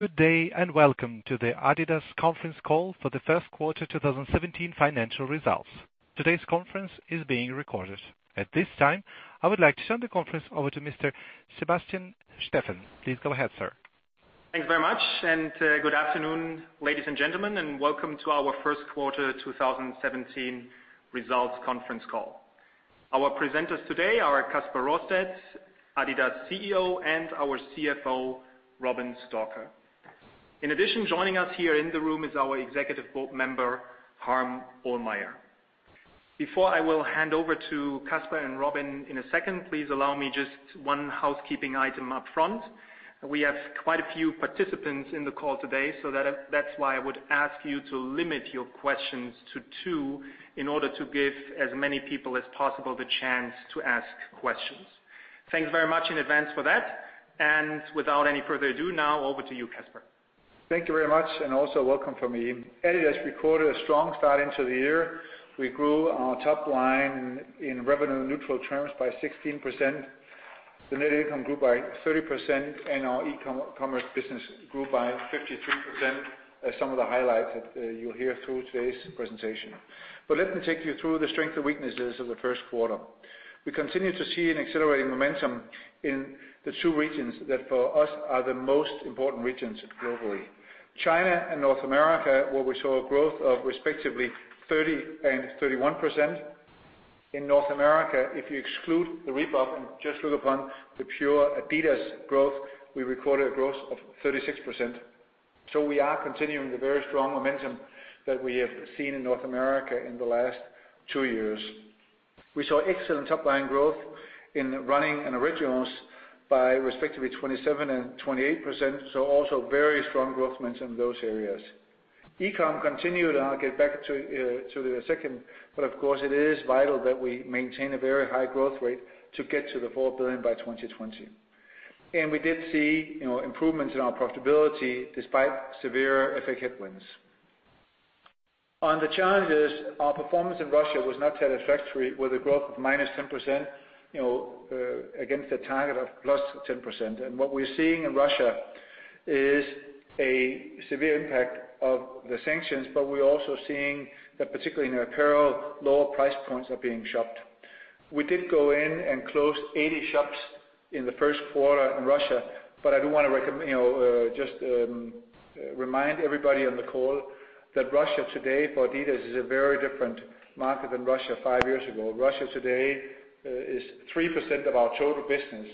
Good day, welcome to the adidas conference call for the first quarter 2017 financial results. Today's conference is being recorded. At this time, I would like to turn the conference over to Mr. Sebastian Steffen. Please go ahead, sir. Thanks very much. Good afternoon, ladies and gentlemen, welcome to our first quarter 2017 results conference call. Our presenters today are Kasper Rørsted, adidas CEO, and our CFO, Robin Stalker. In addition, joining us here in the room is our executive board member, Harm Ohlmeyer. Before I will hand over to Kasper and Robin in a second, please allow me just one housekeeping item up front. We have quite a few participants in the call today. That's why I would ask you to limit your questions to two in order to give as many people as possible the chance to ask questions. Thanks very much in advance for that. Without any further ado, now over to you, Kasper. Thank you very much. Also welcome from me. adidas recorded a strong start into the year. We grew our top line in revenue neutral terms by 16%. The net income grew by 30%, and our e-commerce business grew by 53%, as some of the highlights that you'll hear through today's presentation. Let me take you through the strength and weaknesses of the first quarter. We continue to see an accelerating momentum in the two regions that for us are the most important regions globally. China and North America, where we saw a growth of respectively 30% and 31%. In North America, if you exclude the Reebok and just look upon the pure adidas growth, we recorded a growth of 36%. We are continuing the very strong momentum that we have seen in North America in the last two years. We saw excellent top line growth in running and Originals by respectively 27% and 28%. Also very strong growth momentum in those areas. E-com continued, I'll get back to it in a second, of course it is vital that we maintain a very high growth rate to get to the 4 billion by 2020. We did see improvements in our profitability despite severe FX headwinds. On the challenges, our performance in Russia was not satisfactory with a growth of -10% against a target of +10%. What we're seeing in Russia is a severe impact of the sanctions, we're also seeing that particularly in apparel, lower price points are being shopped. We did go in and close 80 shops in the first quarter in Russia. I do want to just remind everybody on the call that Russia today for adidas is a very different market than Russia five years ago. Russia today is 3% of our total business.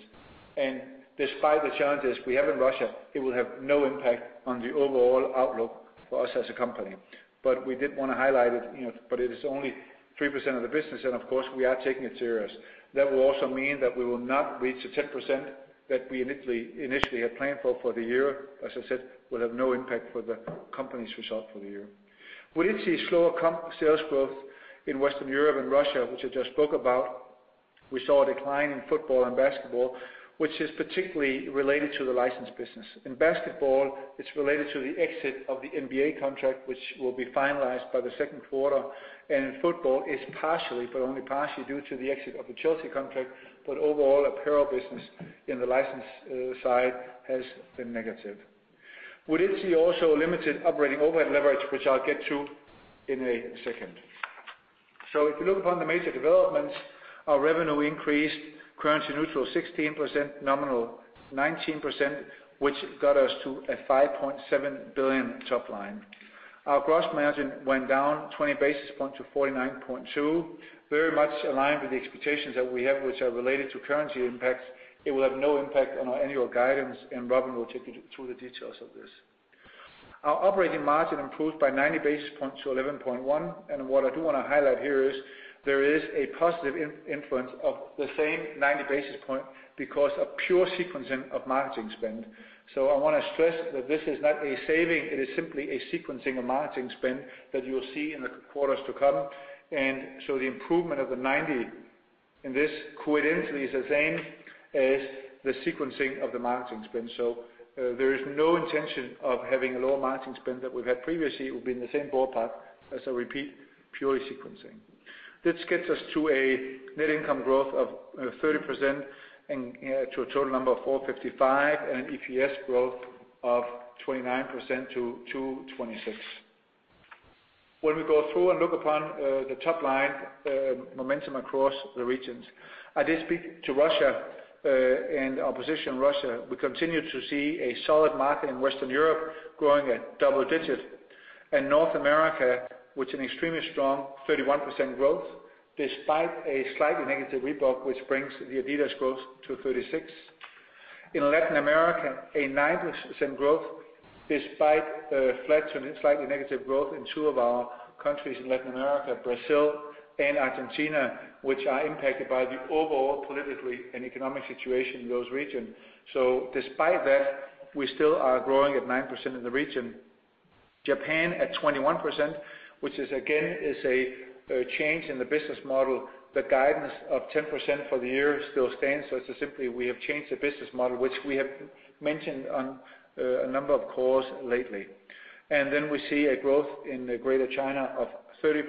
Despite the challenges we have in Russia, it will have no impact on the overall outlook for us as a company. We did want to highlight it is only 3% of the business and of course, we are taking it serious. That will also mean that we will not reach the 10% that we initially had planned for the year. As I said, will have no impact for the company's result for the year. We did see slower sales growth in Western Europe and Russia, which I just spoke about. We saw a decline in football and basketball, which is particularly related to the license business. In basketball, it's related to the exit of the NBA contract, which will be finalized by the second quarter, and in football, it's partially, but only partially, due to the exit of the Chelsea contract, but overall, apparel business in the license side has been negative. We did see also a limited operating overhead leverage, which I'll get to in a second. If you look upon the major developments, our revenue increased currency neutral 16%, nominal 19%, which got us to a 5.7 billion top line. Our gross margin went down 20 basis points to 49.2%, very much in line with the expectations that we have, which are related to currency impacts. It will have no impact on our annual guidance, and Robin will take you through the details of this. Our operating margin improved by 90 basis points to 11.1%. What I do want to highlight here is there is a positive influence of the same 90 basis points because of pure sequencing of marketing spend. I want to stress that this is not a saving, it is simply a sequencing of marketing spend that you will see in the quarters to come. The improvement of the 90 basis point in this, coincidentally, is the same as the sequencing of the marketing spend. There is no intention of having a lower marketing spend than we've had previously. It will be in the same ballpark as a repeat, purely sequencing. This gets us to a net income growth of 30% to a total number of 455 million and an EPS growth of 29% to 226 million. When we go through and look upon the top line momentum across the regions, I did speak to Russia, and our position in Russia. We continue to see a solid market in Western Europe growing at double digits. In North America, with an extremely strong 31% growth, despite a slightly negative Reebok, which brings the adidas growth to 36%. In Latin America, a 9% growth despite flat to slightly negative growth in two of our countries in Latin America, Brazil and Argentina, which are impacted by the overall politically and economic situation in those regions. Despite that, we still are growing at 9% in the region. Japan at 21%, which again, is a change in the business model. The guidance of 10% for the year still stands. It's simply we have changed the business model, which we have mentioned on a number of calls lately. We see a growth in Greater China of 30%.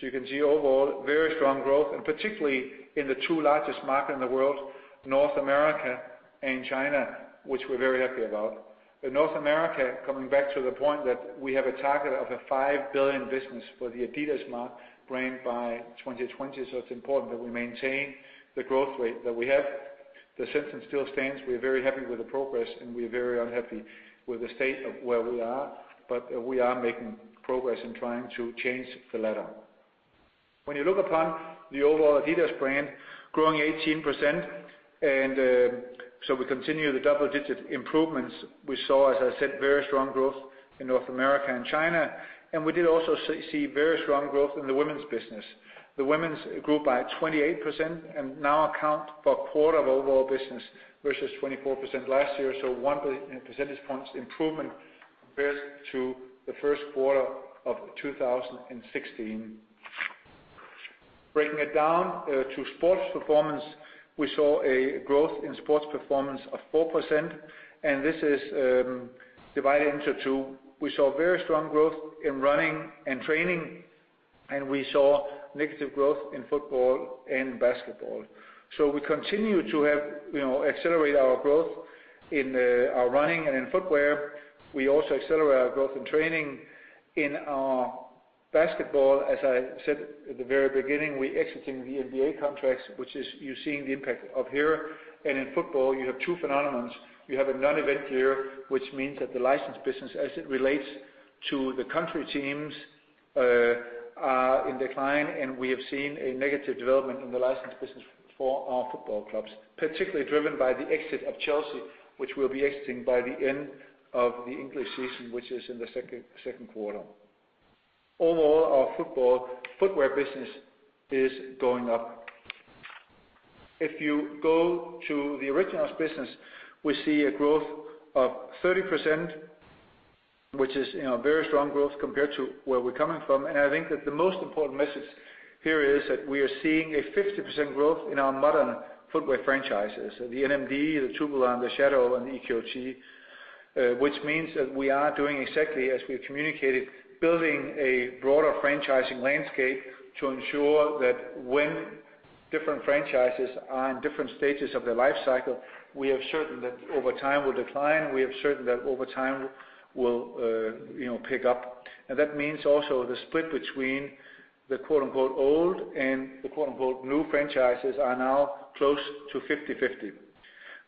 You can see overall very strong growth, particularly in the two largest market in the world, North America and China, which we're very happy about. In North America, coming back to the point that we have a target of a $5 billion business for the adidas mark brand by 2020, it's important that we maintain the growth rate that we have. The sentiment still stands. We're very happy with the progress, and we're very unhappy with the state of where we are. We are making progress in trying to change the latter. When you look upon the overall adidas brand growing 18%, we continue the double-digit improvements we saw, as I said, very strong growth in North America and China. We did also see very strong growth in the women's business. The women's grew by 28% and now account for a quarter of overall business versus 24% last year. One percentage points improvement compared to the first quarter of 2016. Breaking it down to sports performance, we saw a growth in sports performance of 4%, this is divided into two. We saw very strong growth in running and training, and we saw negative growth in football and basketball. We continue to accelerate our growth in our running and in footwear. We also accelerate our growth in training. In our basketball, as I said at the very beginning, we're exiting the NBA contracts, which is you're seeing the impact of here. In football, you have two phenomenons. You have a non-event year, which means that the license business as it relates to the country teams are in decline, and we have seen a negative development in the license business for our football clubs, particularly driven by the exit of Chelsea, which we'll be exiting by the end of the English season, which is in the second quarter. Overall, our football footwear business is going up. If you go to the Originals business, we see a growth of 30%, which is very strong growth compared to where we're coming from. I think that the most important message here is that we are seeing a 50% growth in our modern footwear franchises, the NMD, the Tubular, the Shadow, and the EQT, which means that we are doing exactly as we have communicated, building a broader franchising landscape to ensure that when different franchises are in different stages of their life cycle, we are certain that over time will decline. We are certain that over time will pick up. That means also the split between the "old" and the "new" franchises are now close to 50/50.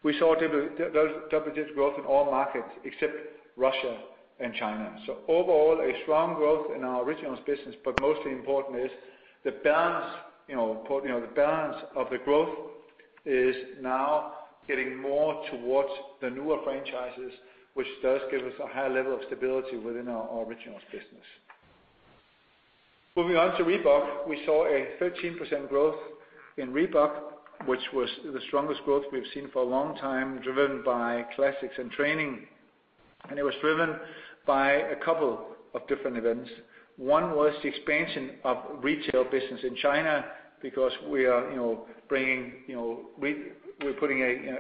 We saw double-digit growth in all markets except Russia and China. Overall, a strong growth in our Originals business, but mostly important is the balance of the growth is now getting more towards the newer franchises, which does give us a higher level of stability within our Originals business. Moving on to Reebok, we saw a 13% growth in Reebok, which was the strongest growth we've seen for a long time, driven by classics and training. It was driven by a couple of different events. One was the expansion of retail business in China because we're putting an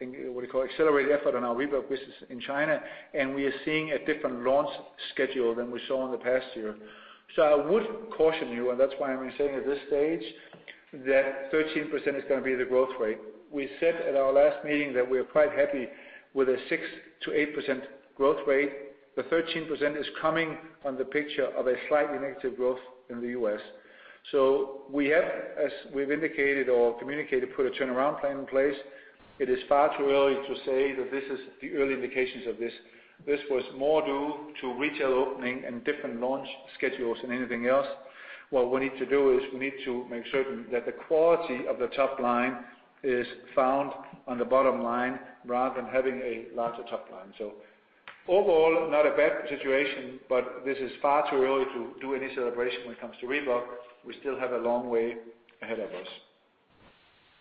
accelerated effort on our Reebok business in China, and we are seeing a different launch schedule than we saw in the past year. I would caution you, and that's why I'm saying at this stage that 13% is going to be the growth rate. We said at our last meeting that we're quite happy with a 6%-8% growth rate. The 13% is coming on the picture of a slightly negative growth in the U.S. We have, as we've indicated or communicated, put a turnaround plan in place. It is far too early to say that this is the early indications of this. This was more due to retail opening and different launch schedules than anything else. What we need to do is we need to make certain that the quality of the top line is found on the bottom line rather than having a larger top line. Overall, not a bad situation, but this is far too early to do any celebration when it comes to Reebok. We still have a long way ahead of us.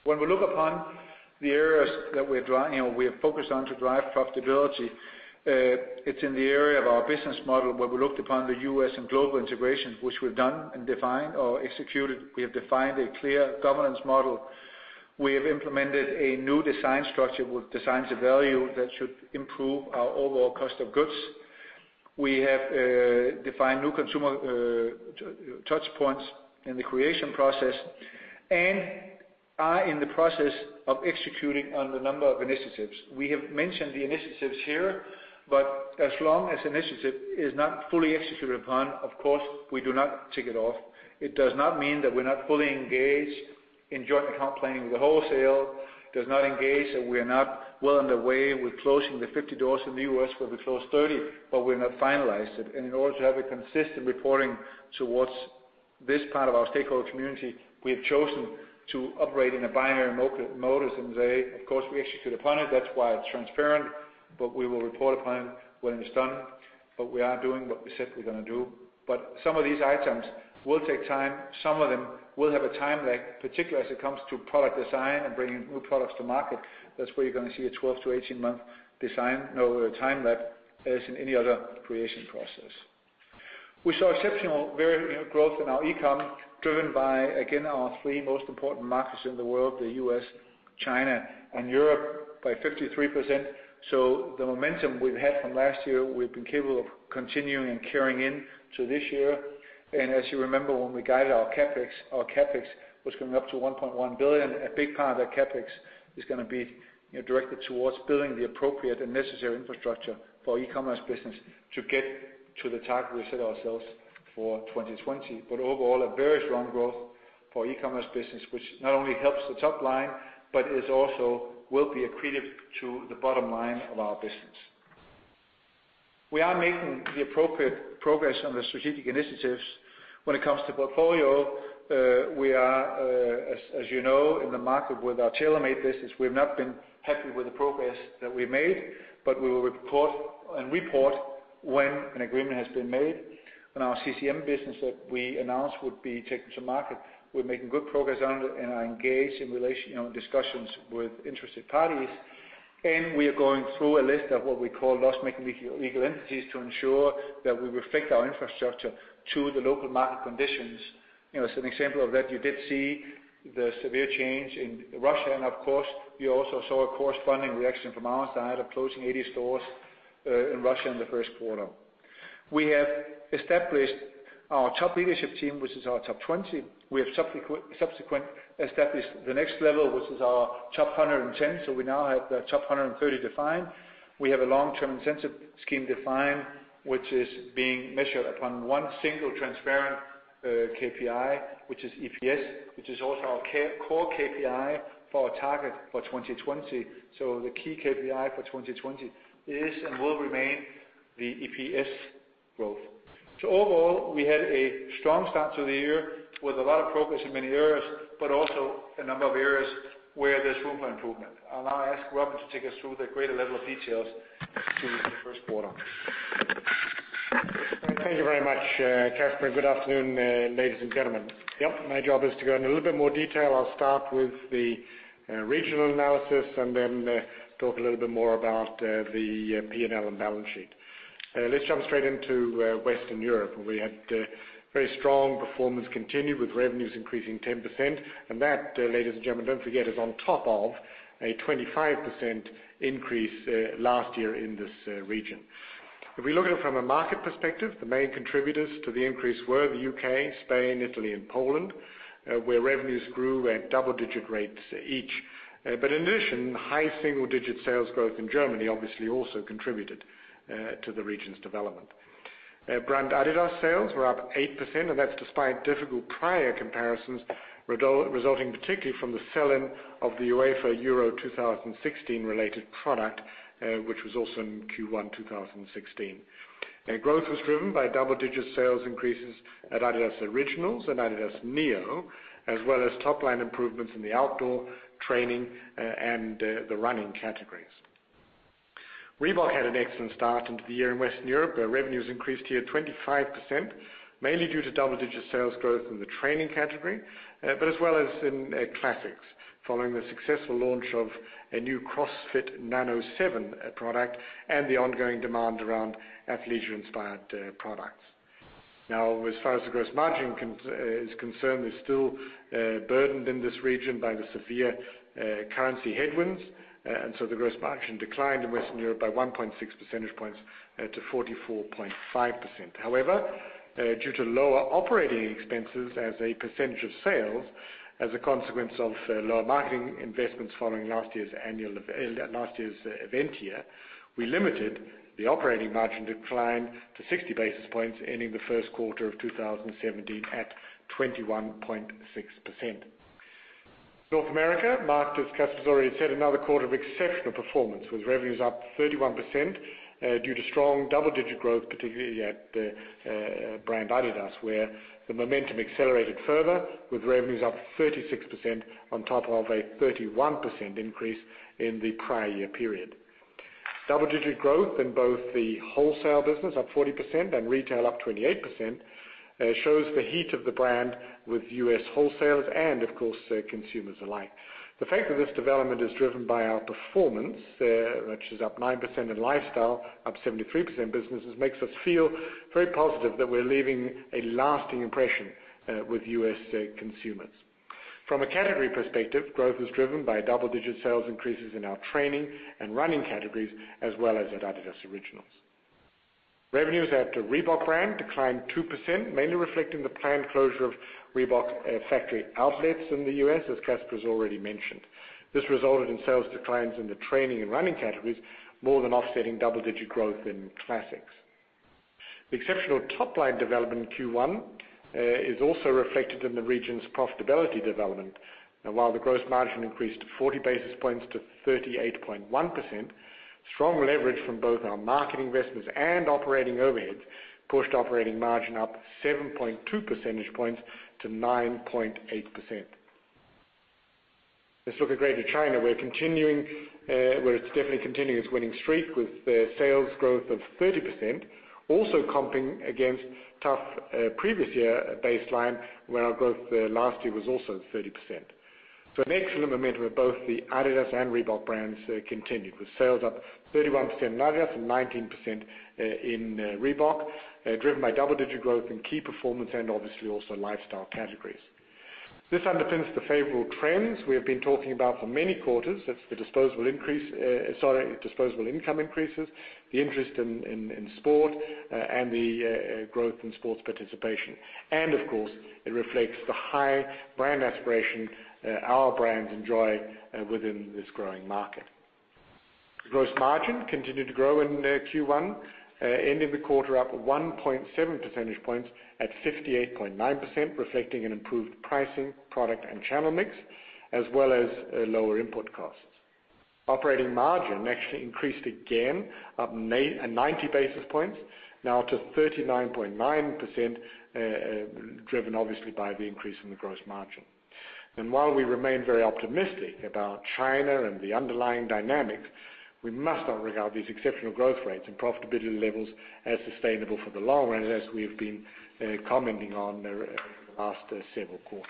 When we look upon the areas that we have focused on to drive profitability, it's in the area of our business model where we looked upon the U.S. and global integration, which we've done and defined or executed. We have defined a clear governance model. We have implemented a new design structure with designs of value that should improve our overall cost of goods. We have defined new consumer touch points in the creation process and are in the process of executing on a number of initiatives. We have mentioned the initiatives here, but as long as initiative is not fully executed upon, of course, we do not tick it off. It does not mean that we're not fully engaged in joint account planning with the wholesale, does not engage that we are not well on the way with closing the 50 doors in the U.S. where we closed 30, but we're not finalized it. In order to have a consistent reporting towards this part of our stakeholder community, we have chosen to operate in a binary mode, as in say, of course, we execute upon it, that's why it's transparent, but we will report upon when it's done, but we are doing what we said we're going to do. Some of these items will take time. Some of them will have a time lag, particularly as it comes to product design and bringing new products to market. That's where you're going to see a 12-18 month design time lag, as in any other creation process. We saw exceptional growth in our e-com, driven by, again, our three most important markets in the world, the U.S., China, and Europe, by 53%. The momentum we've had from last year, we've been capable of continuing and carrying into this year. As you remember, when we guided our CapEx was going up to 1.1 billion. A big part of that CapEx is going to be directed towards building the appropriate and necessary infrastructure for e-commerce business to get to the target we set ourselves for 2020. Overall, a very strong growth for e-commerce business, which not only helps the top line, but is also will be accretive to the bottom line of our business. We are making the appropriate progress on the strategic initiatives. When it comes to portfolio, we are, as you know, in the market with our TaylorMade business. We've not been happy with the progress that we've made, but we will report when an agreement has been made on our CCM business that we announced would be taken to market. We're making good progress on it and are engaged in discussions with interested parties. We are going through a list of what we call loss-making legal entities to ensure that we reflect our infrastructure to the local market conditions. As an example of that, you did see the severe change in Russia. Of course, you also saw a corresponding reaction from our side of closing 80 stores in Russia in the first quarter. We have established our top leadership team, which is our top 20. We have subsequent established the next level, which is our top 110. We now have the top 130 defined. We have a long-term incentive scheme defined, which is being measured upon one single transparent KPI, which is EPS, which is also our core KPI for our target for 2020. The key KPI for 2020 is and will remain the EPS growth. Overall, we had a strong start to the year with a lot of progress in many areas, but also a number of areas where there's room for improvement. I'll now ask Robin to take us through the greater level of details to the first quarter. Thank you very much, Kasper. Good afternoon, ladies and gentlemen. Yep, my job is to go in a little bit more detail. I'll start with the regional analysis and then talk a little bit more about the P&L and balance sheet. Let's jump straight into Western Europe, where we had very strong performance continue with revenues increasing 10%. That, ladies and gentlemen, don't forget, is on top of a 25% increase last year in this region. If we look at it from a market perspective, the main contributors to the increase were the U.K., Spain, Italy, and Poland, where revenues grew at double-digit rates each. In addition, high single-digit sales growth in Germany obviously also contributed to the region's development. Brand adidas sales were up 8%, that's despite difficult prior comparisons resulting particularly from the sell-in of the UEFA Euro 2016 related product, which was also in Q1 2016. Growth was driven by double-digit sales increases at adidas Originals and adidas NEO, as well as top-line improvements in the outdoor, training, and the running categories. Reebok had an excellent start into the year in Western Europe, where revenues increased here 25%, mainly due to double-digit sales growth in the training category, but as well as in classics, following the successful launch of a new Reebok CrossFit Nano 7 product and the ongoing demand around athleisure-inspired products. As far as the gross margin is concerned, it's still burdened in this region by the severe currency headwinds, the gross margin declined in Western Europe by 1.6 percentage points to 44.5%. Due to lower operating expenses as a percentage of sales as a consequence of lower marketing investments following last year's event year, we limited the operating margin decline to 60 basis points, ending the first quarter of 2017 at 21.6%. North America marked, as Kasper has already said, another quarter of exceptional performance, with revenues up 31% due to strong double-digit growth, particularly at the brand adidas, where the momentum accelerated further, with revenues up 36% on top of a 31% increase in the prior year period. Double-digit growth in both the wholesale business, up 40%, and retail, up 28%, shows the heat of the brand with U.S. wholesalers and, of course, consumers alike. The fact that this development is driven by our performance, which is up 9% in lifestyle, up 73% businesses, makes us feel very positive that we're leaving a lasting impression with U.S. consumers. From a category perspective, growth is driven by double-digit sales increases in our training and running categories, as well as at adidas Originals. Revenues at the Reebok brand declined 2%, mainly reflecting the planned closure of Reebok factory outlets in the U.S., as Kasper has already mentioned. This resulted in sales declines in the training and running categories, more than offsetting double-digit growth in classics. The exceptional top-line development in Q1 is also reflected in the region's profitability development. While the gross margin increased 40 basis points to 38.1%, strong leverage from both our marketing investments and operating overheads pushed operating margin up 7.2 percentage points to 9.8%. Greater China, where it's definitely continuing its winning streak with sales growth of 30%, also comping against tough previous year baseline, where our growth last year was also 30%. An excellent momentum at both the adidas and Reebok brands continued with sales up 31% in adidas and 19% in Reebok, driven by double-digit growth in key performance and obviously also lifestyle categories. This underpins the favorable trends we have been talking about for many quarters. That's the disposable income increases, the interest in sport, and the growth in sports participation. Of course, it reflects the high brand aspiration our brands enjoy within this growing market. Gross margin continued to grow in Q1, ending the quarter up 1.7 percentage points at 58.9%, reflecting an improved pricing, product, and channel mix as well as lower input costs. Operating margin actually increased again, up 90 basis points now to 39.9%, driven obviously by the increase in the gross margin. While we remain very optimistic about China and the underlying dynamics, we must not regard these exceptional growth rates and profitability levels as sustainable for the long run as we've been commenting on the past several quarters.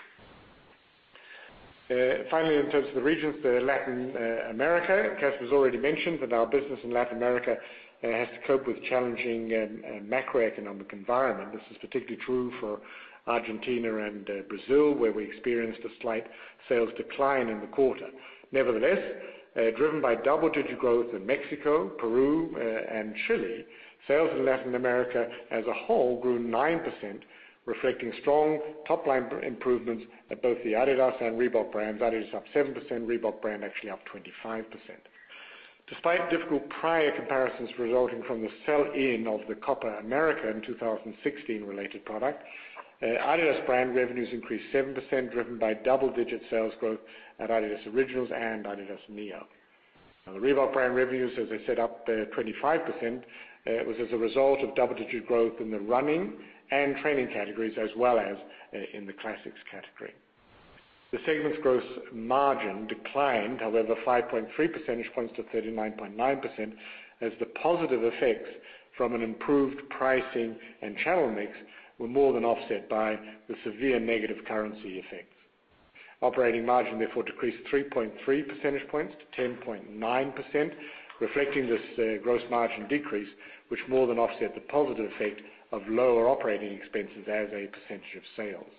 Finally, in terms of the regions, Latin America, Kasper's already mentioned that our business in Latin America has to cope with challenging macroeconomic environment. This is particularly true for Argentina and Brazil, where we experienced a slight sales decline in the quarter. Nevertheless, driven by double-digit growth in Mexico, Peru, and Chile, sales in Latin America as a whole grew 9%, reflecting strong top-line improvements at both the adidas and Reebok brands. adidas up 7%, Reebok brand actually up 25%. Despite difficult prior comparisons resulting from the sell-in of the Copa América in 2016 related product, adidas brand revenues increased 7%, driven by double-digit sales growth at adidas Originals and adidas NEO. The Reebok brand revenues, as I said, up 25%, was as a result of double-digit growth in the running and training categories, as well as in the classics category. The segment's gross margin declined, however, 5.3 percentage points to 39.9% as the positive effects from an improved pricing and channel mix were more than offset by the severe negative currency effects. Operating margin therefore decreased 3.3 percentage points to 10.9%, reflecting this gross margin decrease, which more than offset the positive effect of lower operating expenses as a percentage of sales.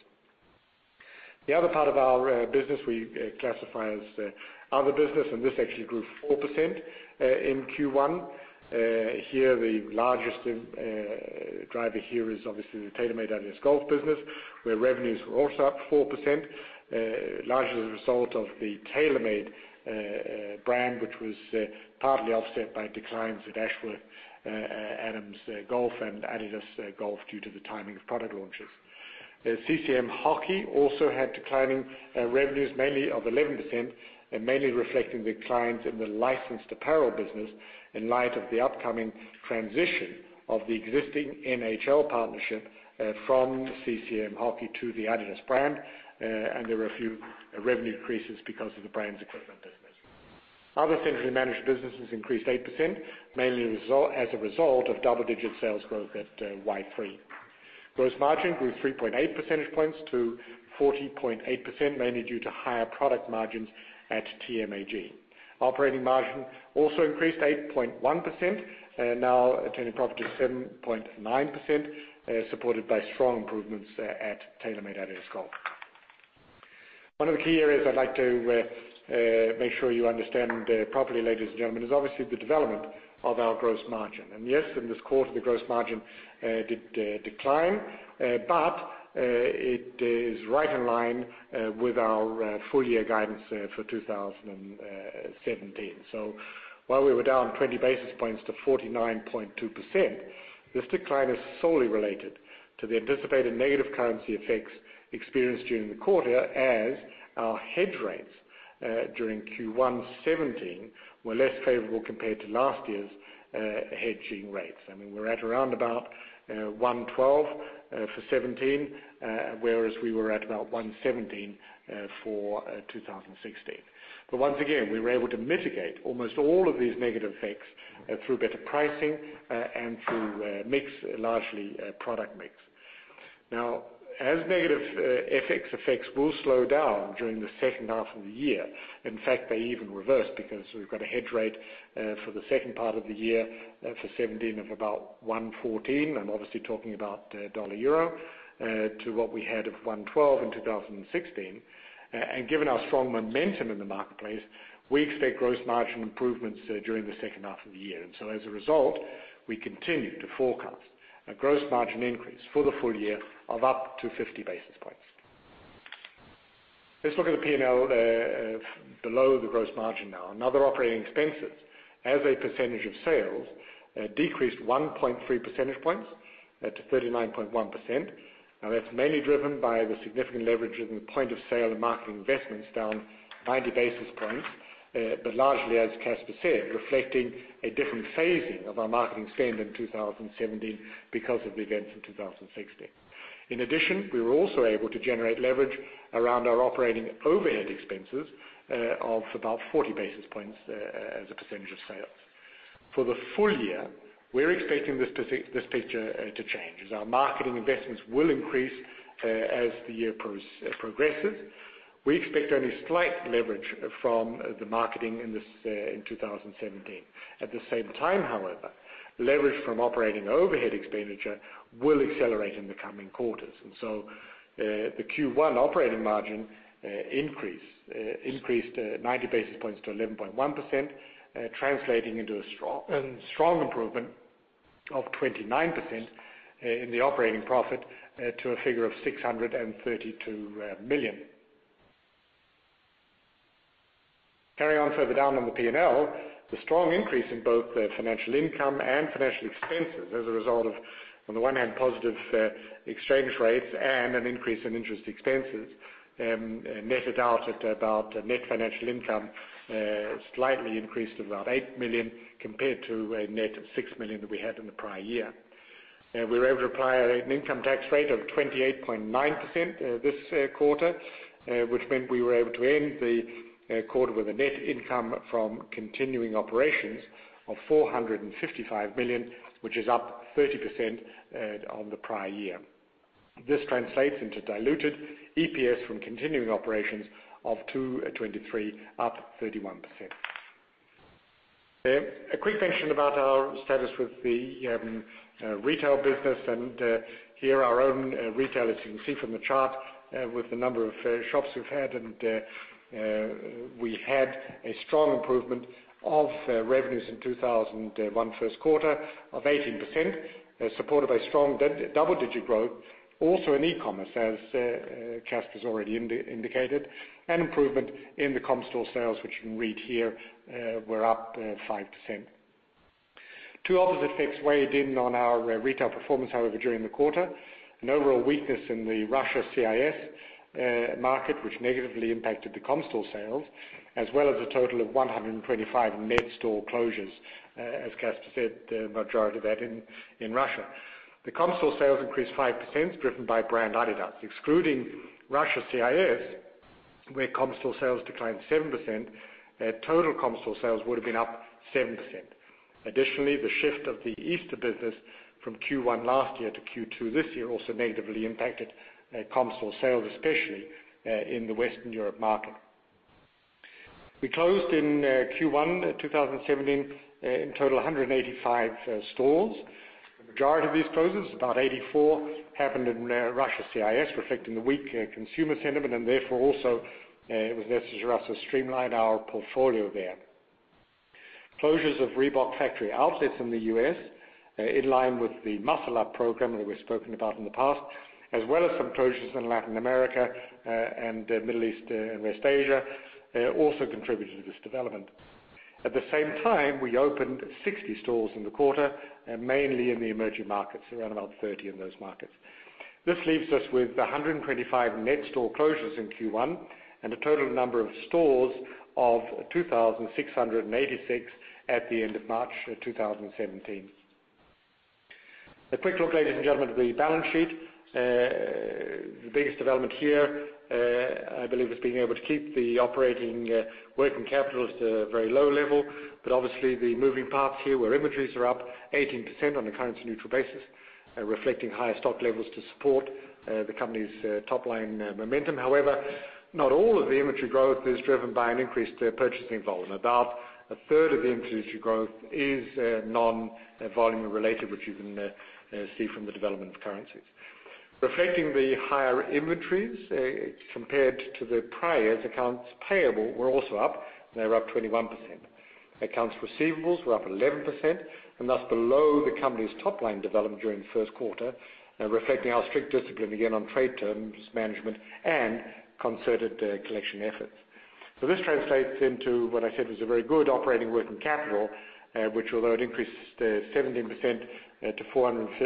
The other part of our business we classify as other business, this actually grew 4% in Q1. The largest driver here is obviously the TaylorMade-adidas Golf business, where revenues were also up 4%, largely as a result of the TaylorMade brand, which was partly offset by declines at Ashworth, Adams Golf, and adidas Golf due to the timing of product launches. CCM Hockey also had declining revenues mainly of 11%, mainly reflecting declines in the licensed apparel business in light of the upcoming transition of the existing NHL partnership from CCM Hockey to the adidas brand. There were a few revenue increases because of the brand's equipment business. Other centrally managed businesses increased 8%, mainly as a result of double-digit sales growth at Y-3. Gross margin grew 3.8 percentage points to 40.8%, mainly due to higher product margins at TMAG. Operating margin also increased 8.1%, now turning a profit of 7.9%, supported by strong improvements at TaylorMade-adidas Golf. One of the key areas I'd like to make sure you understand properly, ladies and gentlemen, is obviously the development of our gross margin. Yes, in this quarter, the gross margin did decline, but it is right in line with our full-year guidance for 2017. While we were down 20 basis points to 49.2%, this decline is solely related to the anticipated negative currency effects experienced during the quarter as our hedge rates during Q1 2017 were less favorable compared to last year's hedging rates. We're at around about 112 for 2017, whereas we were at about 117 for 2016. Once again, we were able to mitigate almost all of these negative effects through better pricing and through mix, largely product mix. As negative FX effects will slow down during the second half of the year, in fact, they even reverse because we've got a hedge rate for the second part of the year for 2017 of about 114, I'm obviously talking about dollar/euro, to what we had of 112 in 2016. Given our strong momentum in the marketplace, we expect gross margin improvements during the second half of the year. As a result, we continue to forecast a gross margin increase for the full year of up to 50 basis points. Let's look at the P&L below the gross margin now. Operating expenses as a percentage of sales decreased 1.3 percentage points to 39.1%. That's mainly driven by the significant leverage in the point of sale and marketing investments down 90 basis points. Largely, as Kasper said, reflecting a different phasing of our marketing spend in 2017 because of the events in 2016. In addition, we were also able to generate leverage around our operating overhead expenses of about 40 basis points as a percentage of sales. For the full year, we're expecting this picture to change, as our marketing investments will increase as the year progresses. We expect only slight leverage from the marketing in 2017. At the same time, however, leverage from operating overhead expenditure will accelerate in the coming quarters. The Q1 operating margin increased 90 basis points to 11.1%, translating into a strong improvement of 29% in the operating profit to a figure of 632 million. Carrying on further down on the P&L, the strong increase in both the financial income and financial expenses as a result of, on the one hand, positive exchange rates and an increase in interest expenses, netted out at about net financial income slightly increased to about 8 million, compared to a net 6 million that we had in the prior year. We were able to apply an income tax rate of 28.9% this quarter, which meant we were able to end the quarter with a net income from continuing operations of 455 million, which is up 30% on the prior year. This translates into diluted EPS from continuing operations of 223 million, up 31%. A quick mention about our status with the retail business. Here, our own retail, as you can see from the chart, with the number of shops we've had, we had a strong improvement of revenues in 2001 first quarter of 18%, supported by strong double-digit growth also in e-commerce, as Kasper's already indicated, and improvement in the comp store sales, which you can read here, were up 5%. Two opposite effects weighed in on our retail performance, however, during the quarter. An overall weakness in the Russia CIS market, which negatively impacted the comp store sales, as well as a total of 125 net store closures. As Kasper said, the majority of that in Russia. The comp store sales increased 5%, driven by brand adidas. Excluding Russia CIS, where comp store sales declined 7%, total comp store sales would have been up 7%. Additionally, the shift of the Easter business from Q1 last year to Q2 this year also negatively impacted comp store sales, especially in the Western Europe market. We closed in Q1 2017, in total, 185 stores. The majority of these closures, about 84, happened in Russia CIS, reflecting the weak consumer sentiment and therefore also it was necessary for us to streamline our portfolio there. Closures of Reebok factory outlets in the U.S., in line with the Muscle Up program that we've spoken about in the past, as well as some closures in Latin America and Middle East and West Asia, also contributed to this development. At the same time, we opened 60 stores in the quarter, mainly in the emerging markets, around about 30 in those markets. This leaves us with 125 net store closures in Q1 and a total number of stores of 2,686 at the end of March 2017. A quick look, ladies and gentlemen, at the balance sheet. The biggest development here, I believe, is being able to keep the operating working capital at a very low level. Obviously, the moving parts here were inventories are up 18% on a currency-neutral basis, reflecting higher stock levels to support the company's top-line momentum. However, not all of the inventory growth is driven by an increase to purchasing volume. About a third of the inventory growth is non-volume related, which you can see from the development of currencies. Reflecting the higher inventories compared to the prior year's accounts payable were also up. They're up 21%. Accounts receivables were up 11% and thus below the company's top-line development during the first quarter, reflecting our strict discipline, again, on trade terms management and concerted collection efforts. This translates into what I said was a very good operating working capital, which, although it increased 17% to 4.5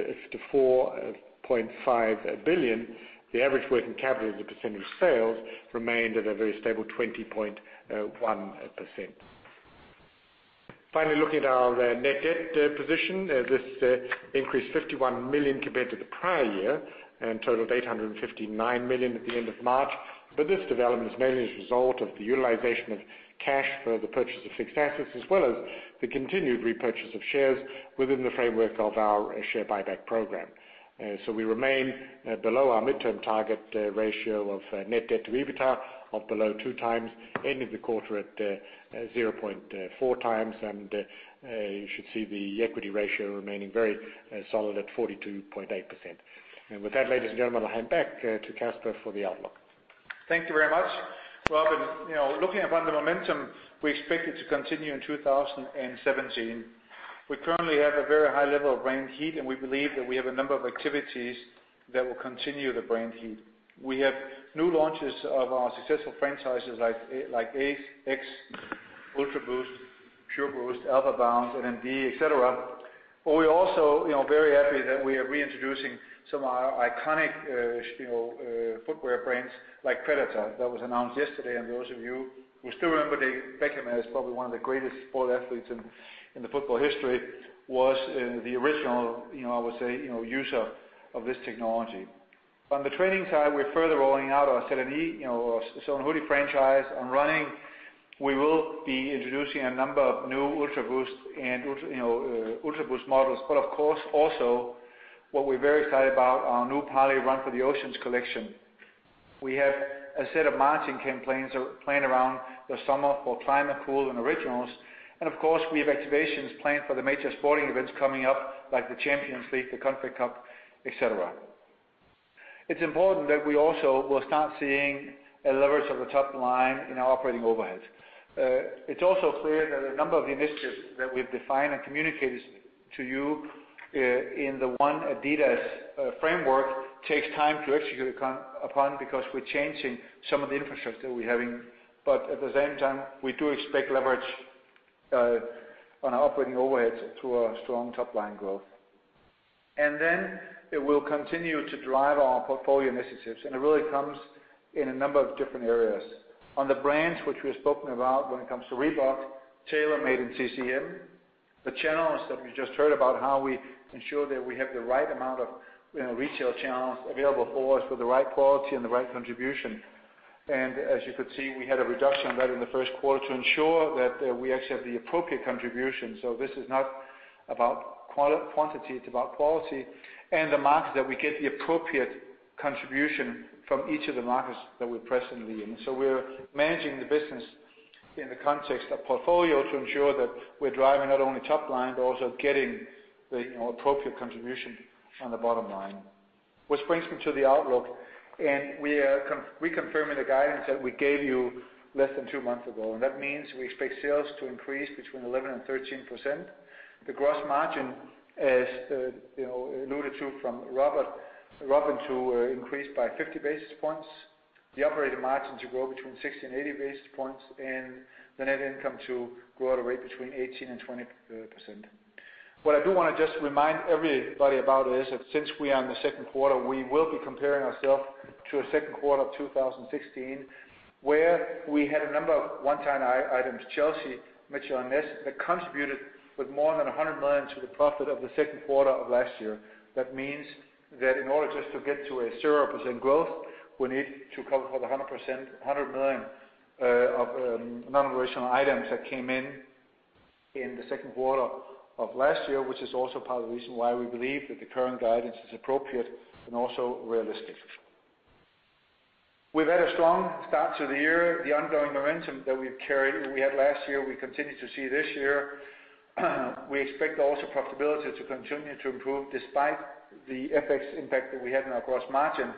billion, the average working capital as a percentage of sales remained at a very stable 20.1%. Finally, looking at our net debt position. This increased 51 million compared to the prior year and totaled 859 million at the end of March. This development is mainly as a result of the utilization of cash for the purchase of fixed assets as well as the continued repurchase of shares within the framework of our share buyback program. We remain below our midterm target ratio of net debt to EBITDA of below two times, ending the quarter at 0.4 times, and you should see the equity ratio remaining very solid at 42.8%. With that, ladies and gentlemen, I'll hand back to Kasper for the outlook. Thank you very much. Robin. Looking upon the momentum we expected to continue in 2017. We currently have a very high level of brand heat, and we believe that we have a number of activities that will continue the brand heat. We have new launches of our successful franchises like Ace, X, Ultraboost, Pureboost, Alphabounce, NMD, et cetera. We're also very happy that we are reintroducing some of our iconic footwear brands like Predator. That was announced yesterday. Those of you who still remember David Beckham as probably one of the greatest sport athletes in the football history, was the original, I would say, user of this technology. On the training side, we're further rolling out our Z.N.E. Hoodie franchise. On running, we will be introducing a number of new Ultraboost models. Of course, also, what we're very excited about, our new Parley Run for the Oceans collection. We have a set of matching campaigns planned around the summer for Climacool and Originals. Of course, we have activations planned for the major sporting events coming up, like the Champions League, the FA Cup, et cetera. It's important that we also will start seeing a leverage of the top line in our operating overheads. It's also clear that a number of the initiatives that we've defined and communicated to you in the ONE adidas framework takes time to execute upon because we're changing some of the infrastructure we're having. At the same time, we do expect leverage on our operating overhead through our strong top-line growth. Then it will continue to drive our portfolio initiatives, and it really comes in a number of different areas. On the brands which we've spoken about when it comes to Reebok, TaylorMade, and CCM, the channels that we just heard about how we ensure that we have the right amount of retail channels available for us with the right quality and the right contribution. As you could see, we had a reduction right in the first quarter to ensure that we actually have the appropriate contribution. This is not about quantity, it's about quality. The markets that we get the appropriate contribution from each of the markets that we're presently in. We're managing the business in the context of portfolio to ensure that we're driving not only top line, but also getting the appropriate contribution on the bottom line. Which brings me to the outlook, we are reconfirming the guidance that we gave you less than two months ago. That means we expect sales to increase between 11%-13%. The gross margin, as alluded to from Robin, to increase by 50 basis points. The operating margin to grow between 60-80 basis points, and the net income to grow at a rate between 18%-20%. What I do want to just remind everybody about is that since we are in the second quarter, we will be comparing ourself to a second quarter of 2016, where we had a number of one-time items, Chelsea, Mitchell & Ness, that contributed with more than 100 million to the profit of the second quarter of last year. That means that in order just to get to a 0% growth, we need to cover for the 100 million of non-recurring items that came in in the second quarter of last year, which is also part of the reason why we believe that the current guidance is appropriate and also realistic. We've had a strong start to the year. The ongoing momentum that we had last year, we continue to see this year. We expect also profitability to continue to improve despite the FX impact that we had on our gross margin.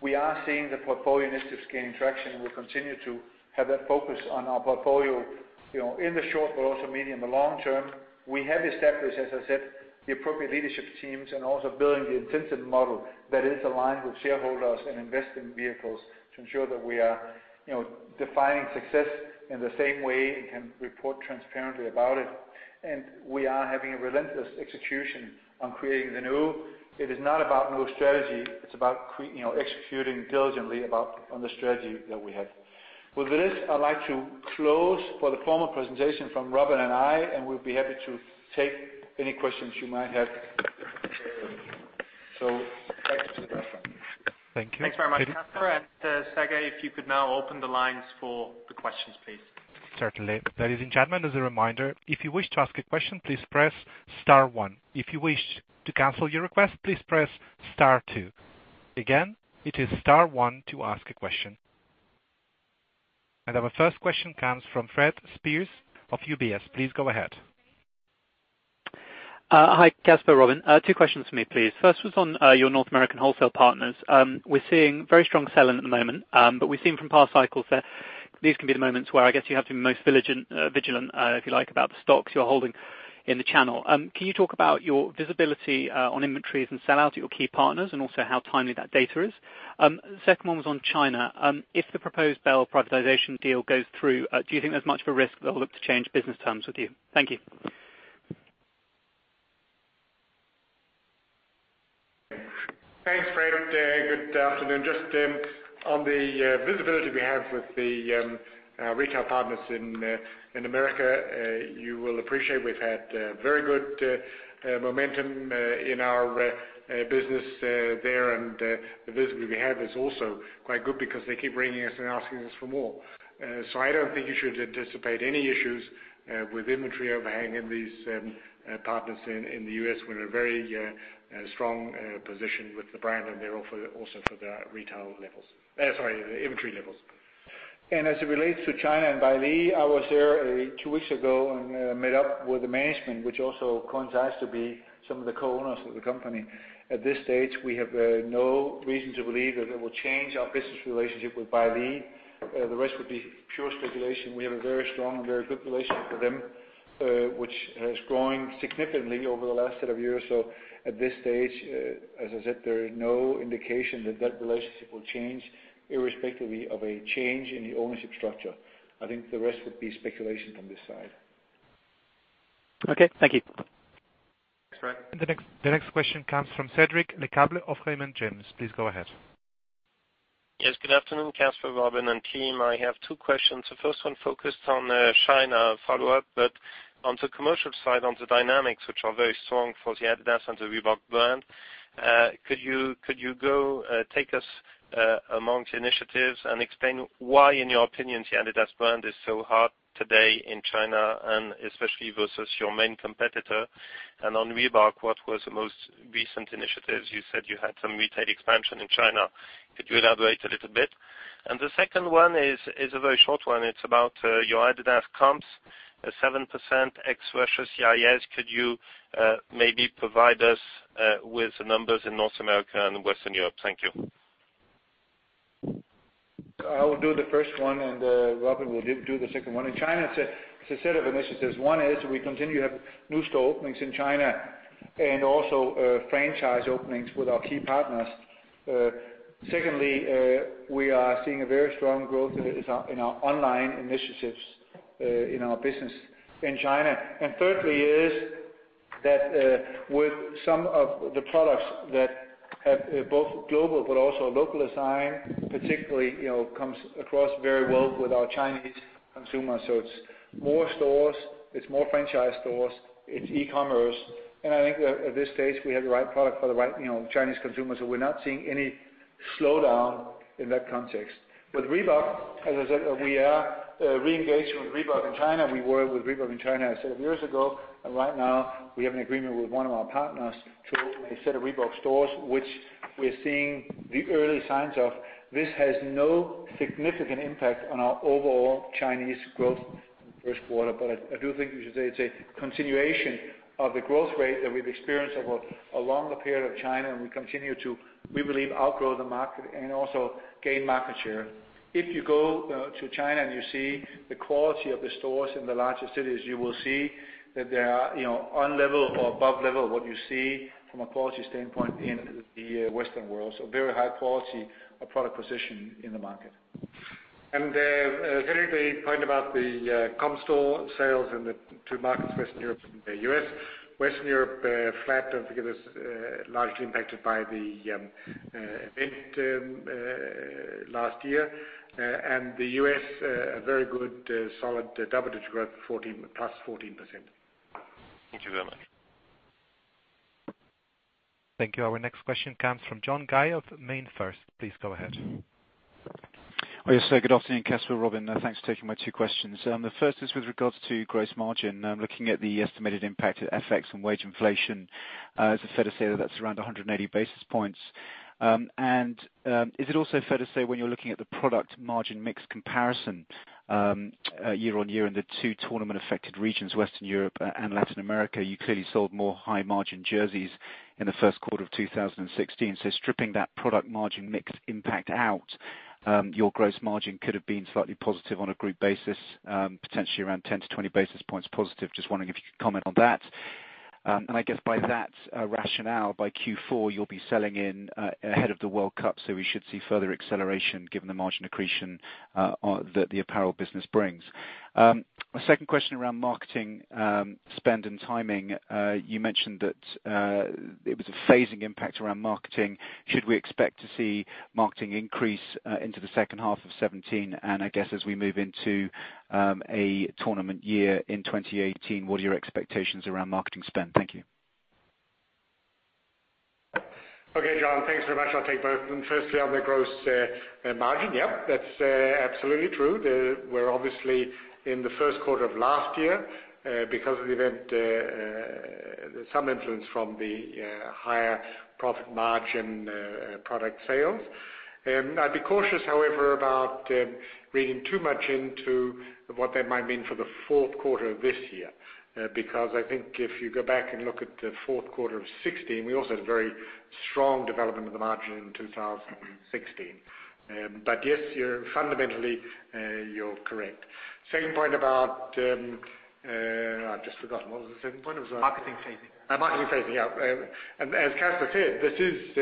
We are seeing the portfolio initiatives gaining traction. We'll continue to have that focus on our portfolio in the short but also medium to long term. We have established, as I said, the appropriate leadership teams and also building the incentive model that is aligned with shareholders and investing vehicles to ensure that we are defining success in the same way and can report transparently about it. We are having a relentless execution on creating the new. It is not about new strategy, it's about executing diligently on the strategy that we have. With this, I'd like to close for the formal presentation from Robin and I, and we'll be happy to take any questions you might have. Back to you, Robin. Thank you. Thanks very much, Kasper. Serge, if you could now open the lines for the questions, please. Certainly. Ladies and gentlemen, as a reminder, if you wish to ask a question, please press star one. If you wish to cancel your request, please press star two. Again, it is star one to ask a question. Our first question comes from Fred Speirs of UBS. Please go ahead. Hi, Kasper, Robin. Two questions for me, please. First was on your North American wholesale partners. We're seeing very strong selling at the moment. We've seen from past cycles that these can be the moments where I guess you have to be most vigilant, if you like, about the stocks you're holding in the channel. Can you talk about your visibility on inventories and sell-outs at your key partners and also how timely that data is? Second one was on China. If the proposed Belle privatization deal goes through, do you think there's much of a risk they'll look to change business terms with you? Thank you. Thanks, Fred. Good afternoon. Just on the visibility we have with the retail partners in America, you will appreciate we've had very good momentum in our business there. The visibility we have is also quite good because they keep ringing us and asking us for more. I don't think you should anticipate any issues with inventory overhang in these partners in the U.S. We're in a very strong position with the brand, and they're also for the inventory levels. As it relates to China and Belle, I was there two weeks ago and met up with the management, which also coincides to be some of the co-owners of the company. At this stage, we have no reason to believe that they will change our business relationship with Belle. The rest would be pure speculation. We have a very strong and very good relationship with them, which has grown significantly over the last set of years. At this stage, as I said, there is no indication that that relationship will change irrespectively of a change in the ownership structure. I think the rest would be speculation from this side. Okay, thank you. Thanks, Fred. The next question comes from Cedric Lecasble of Raymond James. Please go ahead. Yes, good afternoon, Kasper, Robin, and team. I have two questions. The first one focused on China follow-up, but on the commercial side, on the dynamics, which are very strong for the adidas and the Reebok brand, could you take us among the initiatives and explain why, in your opinion, the adidas brand is so hot today in China, especially versus your main competitor? On Reebok, what was the most recent initiatives? You said you had some retail expansion in China. Could you elaborate a little bit? The second one is a very short one. It is about your adidas comps, 7% ex Russia CIS. Could you maybe provide us with the numbers in North America and Western Europe? Thank you. I will do the first one, Robin will do the second one. In China, it's a set of initiatives. One is we continue to have new store openings in China and also franchise openings with our key partners. We are seeing a very strong growth in our online initiatives in our business in China. Thirdly is that with some of the products that have both global but also local design, particularly, comes across very well with our Chinese consumers. It's more stores, it's more franchise stores, it's e-commerce. I think at this stage, we have the right product for the right Chinese consumers, so we're not seeing any slowdown in that context. With Reebok, as I said, we are re-engaged with Reebok in China. We were with Reebok in China a set of years ago, right now we have an agreement with one of our partners to open a set of Reebok stores, which we're seeing the early signs of. This has no significant impact on our overall Chinese growth in the first quarter. I do think we should say it's a continuation of the growth rate that we've experienced over a longer period of China, and we continue to, we believe, outgrow the market and also gain market share. If you go to China and you see the quality of the stores in the larger cities, you will see that they are on level or above level of what you see from a quality standpoint in the Western world. Very high quality of product position in the market. The third, the point about the comp store sales in the two markets, Western Europe and the U.S. Western Europe, flat, don't forget it's largely impacted by the event last year. The U.S., a very good, solid double-digit growth, plus 14%. Thank you very much. Thank you. Our next question comes from John Guy of MainFirst. Please go ahead. Good afternoon, Kasper, Robin. Thanks for taking my two questions. The first is with regards to gross margin. Looking at the estimated impact of FX and wage inflation, is it fair to say that's around 180 basis points? Is it also fair to say when you're looking at the product margin mix comparison year-over-year in the two tournament-affected regions, Western Europe and Latin America, you clearly sold more high margin jerseys in the first quarter of 2016. Stripping that product margin mix impact out, your gross margin could have been slightly positive on a group basis, potentially around 10 to 20 basis points positive. Just wondering if you could comment on that. I guess by that rationale, by Q4, you'll be selling in ahead of the World Cup, so we should see further acceleration given the margin accretion that the apparel business brings. A second question around marketing spend and timing. You mentioned that it was a phasing impact around marketing. Should we expect to see marketing increase into the second half of 2017? I guess as we move into a tournament year in 2018, what are your expectations around marketing spend? Thank you. Okay, John. Thanks very much. I'll take both. Firstly, on the gross margin. Yeah, that's absolutely true. We're obviously in the first quarter of last year because of the event, some influence from the higher profit margin product sales. I'd be cautious, however, about reading too much into what that might mean for the fourth quarter of this year. I think if you go back and look at the fourth quarter of 2016, we also had very strong development of the margin in 2016. Yes, fundamentally, you're correct. I've just forgotten. What was the second point? Marketing phasing. Marketing phasing, yeah. As Kasper said, this is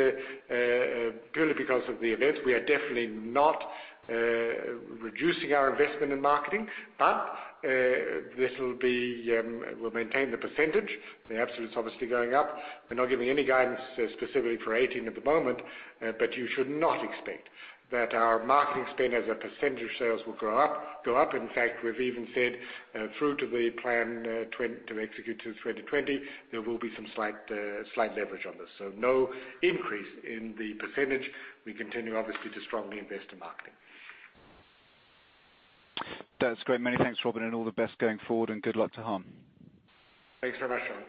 purely because of the events. We are definitely not reducing our investment in marketing, but we will maintain the percentage. The absolute is obviously going up. We are not giving any guidance specifically for 2018 at the moment, but you should not expect that our marketing spend as a percentage of sales will go up. In fact, we have even said through to the plan to execute to 2020, there will be some slight leverage on this. No increase in the percentage. We continue, obviously, to strongly invest in marketing. That is great. Many thanks, Robin, and all the best going forward, and good luck to Harm. Thanks very much, John.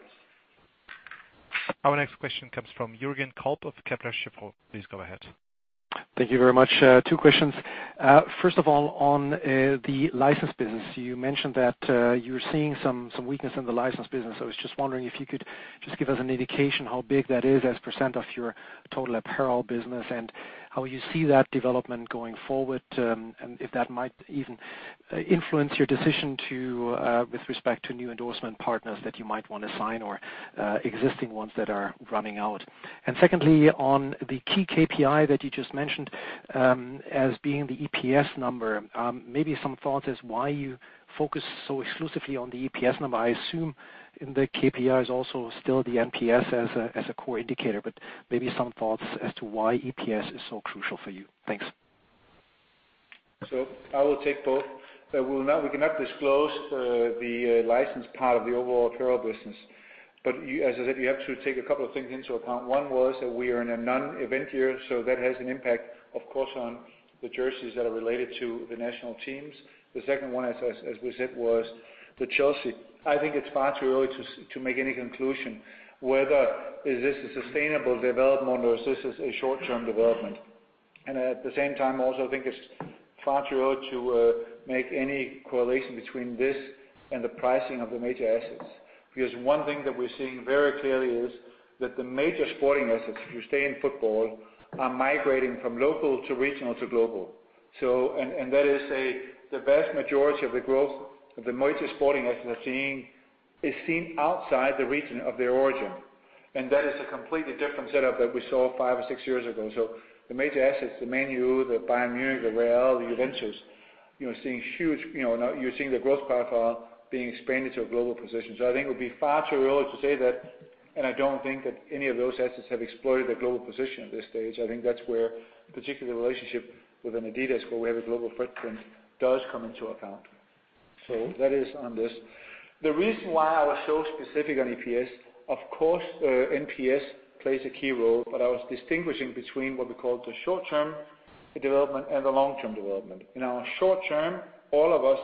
Our next question comes from Jürgen Kolb of Kepler Cheuvreux. Please go ahead. Thank you very much. Two questions. First of all, on the license business. You mentioned that you're seeing some weakness in the license business. I was just wondering if you could just give us an indication how big that is as a % of your total apparel business and how you see that development going forward, and if that might even influence your decision with respect to new endorsement partners that you might want to sign or existing ones that are running out. Secondly, on the key KPI that you just mentioned as being the EPS number. Maybe some thought as why you focus so exclusively on the EPS number. I assume in the KPI is also still the NPS as a core indicator, but maybe some thoughts as to why EPS is so crucial for you. Thanks. I will take both. We cannot disclose the license part of the overall apparel business. As I said, you have to take a couple of things into account. One was that we are in a non-event year, so that has an impact, of course, on the jerseys that are related to the national teams. The second one, as we said, was the Chelsea. I think it's far too early to make any conclusion whether is this a sustainable development or is this a short-term development. At the same time, also, I think it's far too early to make any correlation between this and the pricing of the major assets. One thing that we're seeing very clearly is that the major sporting assets, if you stay in football, are migrating from local to regional to global. That is the vast majority of the growth of the major sporting assets are seen outside the region of their origin. That is a completely different setup that we saw five or six years ago. The major assets, the Man U, the Bayern Munich, the Real, the Juventus, you're seeing the growth profile being expanded to a global position. I think it would be far too early to say that, and I don't think that any of those assets have exploited their global position at this stage. I think that's where particularly the relationship with an adidas, where we have a global footprint, does come into account. That is on this. The reason why I was so specific on EPS, of course, NPS plays a key role, I was distinguishing between what we call the short-term development and the long-term development. In our short-term, all of us,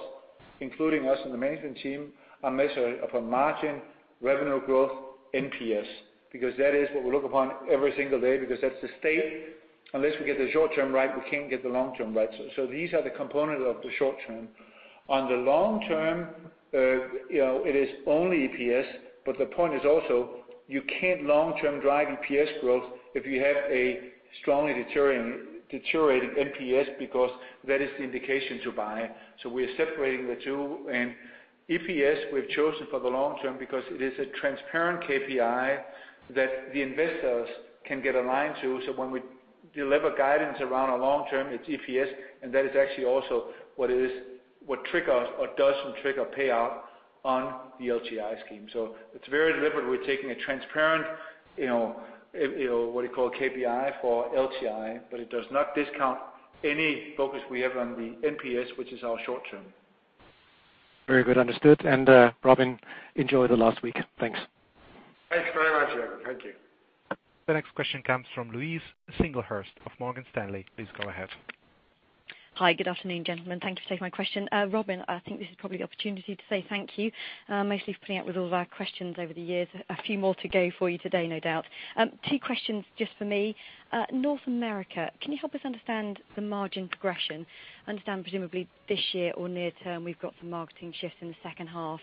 including us in the management team, are measured upon margin, revenue growth, NPS, because that is what we look upon every single day, because that's the state. Unless we get the short-term right, we can't get the long-term right. These are the components of the short-term. On the long-term, it is only EPS, but the point is also you can't long-term drive EPS growth if you have a strongly deteriorating NPS, because that is the indication to buy. We're separating the two. EPS, we've chosen for the long term because it is a transparent KPI that the investors can get aligned to. When we deliver guidance around our long term, it's EPS, and that is actually also what triggers or doesn't trigger payout on the LTI scheme. It's very deliberate. We're taking a transparent, what you call KPI for LTI, but it does not discount any focus we have on the NPS, which is our short term. Very good. Understood. Robin, enjoy the last week. Thanks. Thanks very much, Jürgen. Thank you. The next question comes from Louise Singlehurst of Morgan Stanley. Please go ahead. Hi. Good afternoon, gentlemen. Thank you for taking my question. Robin, I think this is probably the opportunity to say thank you, mostly for putting up with all of our questions over the years. A few more to go for you today, no doubt. Two questions just for me. North America, can you help us understand the margin progression? Understand presumably this year or near term, we've got some marketing shifts in the second half.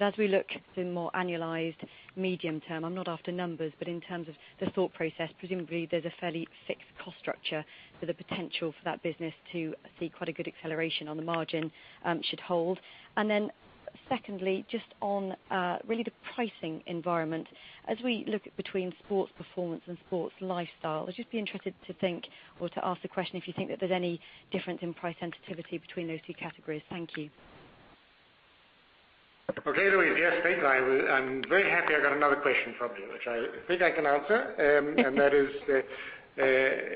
As we look to more annualized medium term, I'm not after numbers, but in terms of the thought process, presumably there's a fairly fixed cost structure for the potential for that business to see quite a good acceleration on the margin should hold. Secondly, just on really the pricing environment. As we look between sports performance and sports lifestyle, I'd just be interested to think or to ask the question if you think that there's any difference in price sensitivity between those two categories. Thank you. Okay, Louise. Yes, thanks. I'm very happy I got another question from you, which I think I can answer. That is,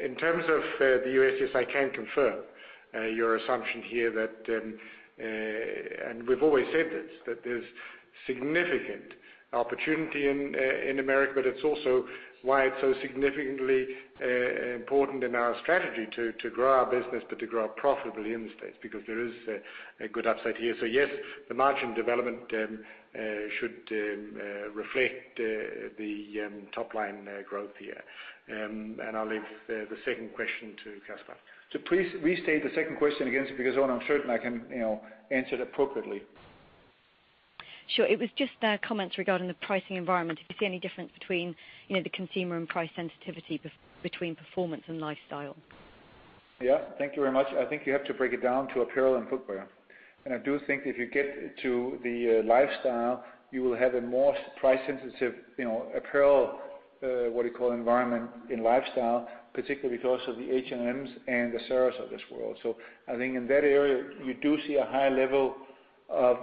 in terms of the U.S., yes, I can confirm your assumption here that, and we've always said this, that there's significant opportunity in America, but it's also why it's so significantly important in our strategy to grow our business, but to grow it profitably in the States, because there is a good upside here. Yes, the margin development should reflect the top-line growth here. I'll leave the second question to Kasper. Please restate the second question again, because I want to make sure that I can answer it appropriately. Sure. It was just comments regarding the pricing environment. If you see any difference between the consumer and price sensitivity between performance and lifestyle. Yeah. Thank you very much. I think you have to break it down to apparel and footwear. I do think if you get to the lifestyle, you will have a more price sensitive apparel, what you call environment in lifestyle, particularly because of the H&Ms and the Zaras of this world. I think in that area, you do see a high level of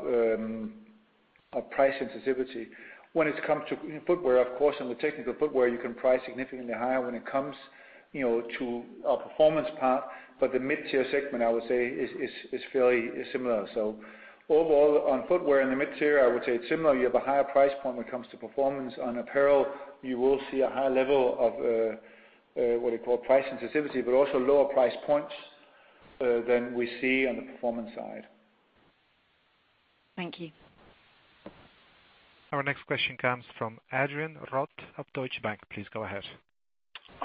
price sensitivity. When it comes to footwear, of course, on the technical footwear, you can price significantly higher when it comes to a performance part. The mid-tier segment, I would say is fairly similar. Overall, on footwear in the mid-tier, I would say it's similar. You have a higher price point when it comes to performance. On apparel, you will see a higher level of what you call price sensitivity, but also lower price points than we see on the performance side. Thank you. Our next question comes from Adrian Rott of Deutsche Bank. Please go ahead.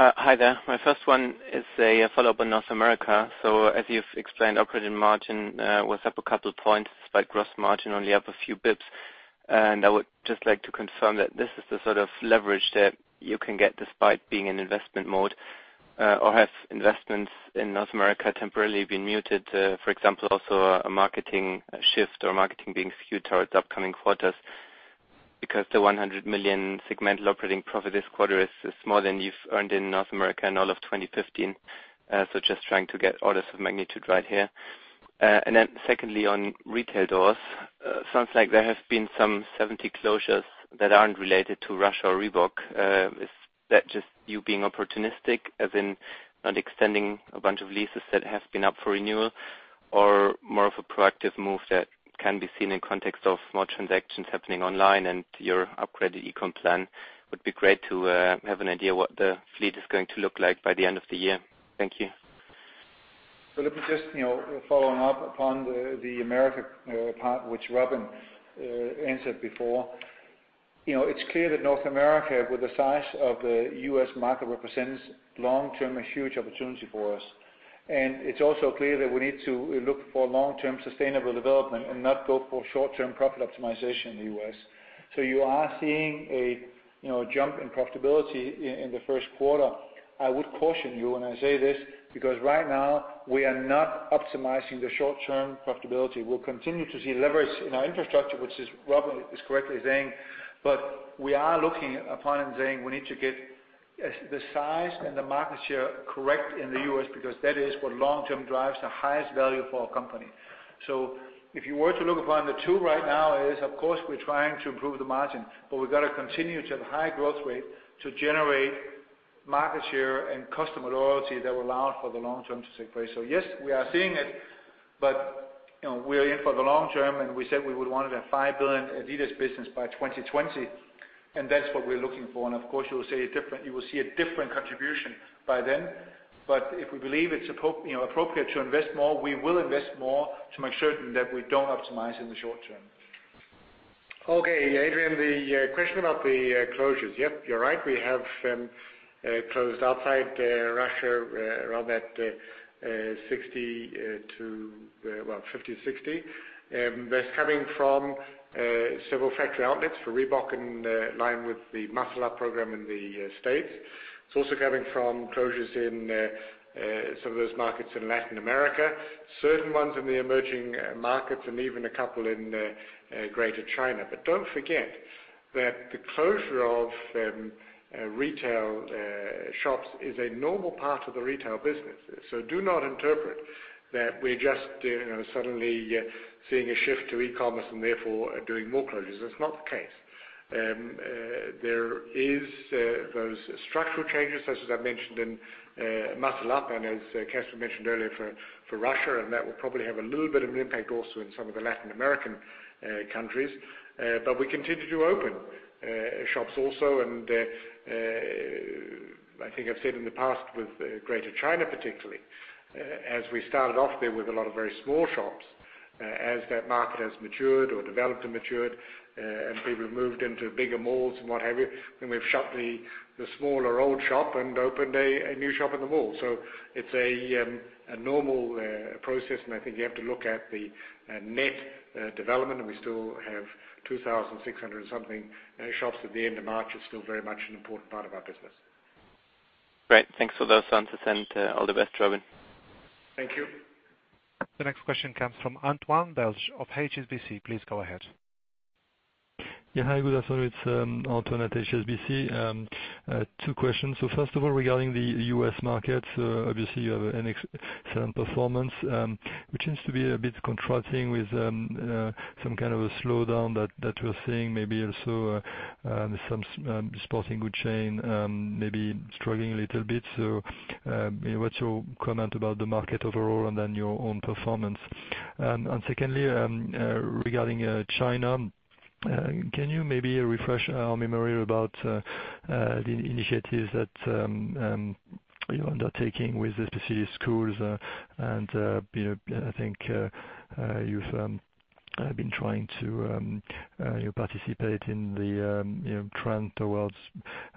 Hi there. My first one is a follow-up on North America. As you've explained, operating margin was up a couple points, despite gross margin only up a few basis points. I would just like to confirm that this is the sort of leverage that you can get despite being in investment mode, or have investments in North America temporarily been muted, for example, also a marketing shift or marketing being skewed towards upcoming quarters? Because the 100 million segmental operating profit this quarter is smaller than you've earned in North America in all of 2015. Just trying to get orders of magnitude right here. Secondly, on retail doors, sounds like there have been some 70 closures that aren't related to Russia or Reebok. Is that just you being opportunistic as in not extending a bunch of leases that have been up for renewal, or more of a proactive move that can be seen in context of more transactions happening online and your upgraded e-com plan? Would be great to have an idea what the fleet is going to look like by the end of the year. Thank you. Let me just, following up upon the North America part, which Robin answered before. It's clear that North America, with the size of the U.S. market, represents long-term, a huge opportunity for us. It's also clear that we need to look for long-term sustainable development and not go for short-term profit optimization in the U.S. You are seeing a jump in profitability in the first quarter. I would caution you when I say this, because right now we are not optimizing the short-term profitability. We'll continue to see leverage in our infrastructure, which Robin is correctly saying. We are looking upon and saying we need to get the size and the market share correct in the U.S. because that is what long-term drives the highest value for our company. If you were to look upon the two right now is, of course, we're trying to improve the margin, but we've got to continue to have high growth rate to generate market share and customer loyalty that will allow for the long term to succeed. Yes, we are seeing it, but we're in for the long term, and we said we would want to have 5 billion adidas business by 2020, and that's what we're looking for. Of course, you will see a different contribution by then. If we believe it's appropriate to invest more, we will invest more to make certain that we don't optimize in the short term. Okay, Adrian, the question about the closures. Yep, you're right. We have closed outside Russia, around that 50 to 60. That's coming from several factory outlets for Reebok in line with the Muscle Up program in the U.S. It's also coming from closures in some of those markets in Latin America, certain ones in the emerging markets, and even a couple in Greater China. Don't forget that the closure of retail shops is a normal part of the retail business. Do not interpret that we're just suddenly seeing a shift to e-commerce and therefore are doing more closures. That's not the case. There is those structural changes, such as I mentioned in Muscle Up and as Kasper mentioned earlier for Russia, and that will probably have a little bit of an impact also in some of the Latin American countries. We continue to open shops also, and I think I've said in the past with Greater China particularly, as we started off there with a lot of very small shops. As that market has matured or developed and matured, and people have moved into bigger malls and what have you, then we've shut the smaller old shop and opened a new shop in the mall. It's a normal process, and I think you have to look at the net development, and we still have 2,600 something shops at the end of March. It's still very much an important part of our business. Great. Thanks for those answers and all the best, Robin. Thank you. The next question comes from Antoine Belge of HSBC. Please go ahead. Hi, good afternoon. It's Antoine at HSBC. Two questions. First of all, regarding the U.S. market, obviously, you have an excellent performance, which seems to be a bit contrasting with some kind of a slowdown that we're seeing, maybe also some sporting good chain maybe struggling a little bit. What's your comment about the market overall, and then your own performance? Secondly, regarding China, can you maybe refresh our memory about the initiatives that you're undertaking with the specific schools? I think you've been trying to participate in the trend towards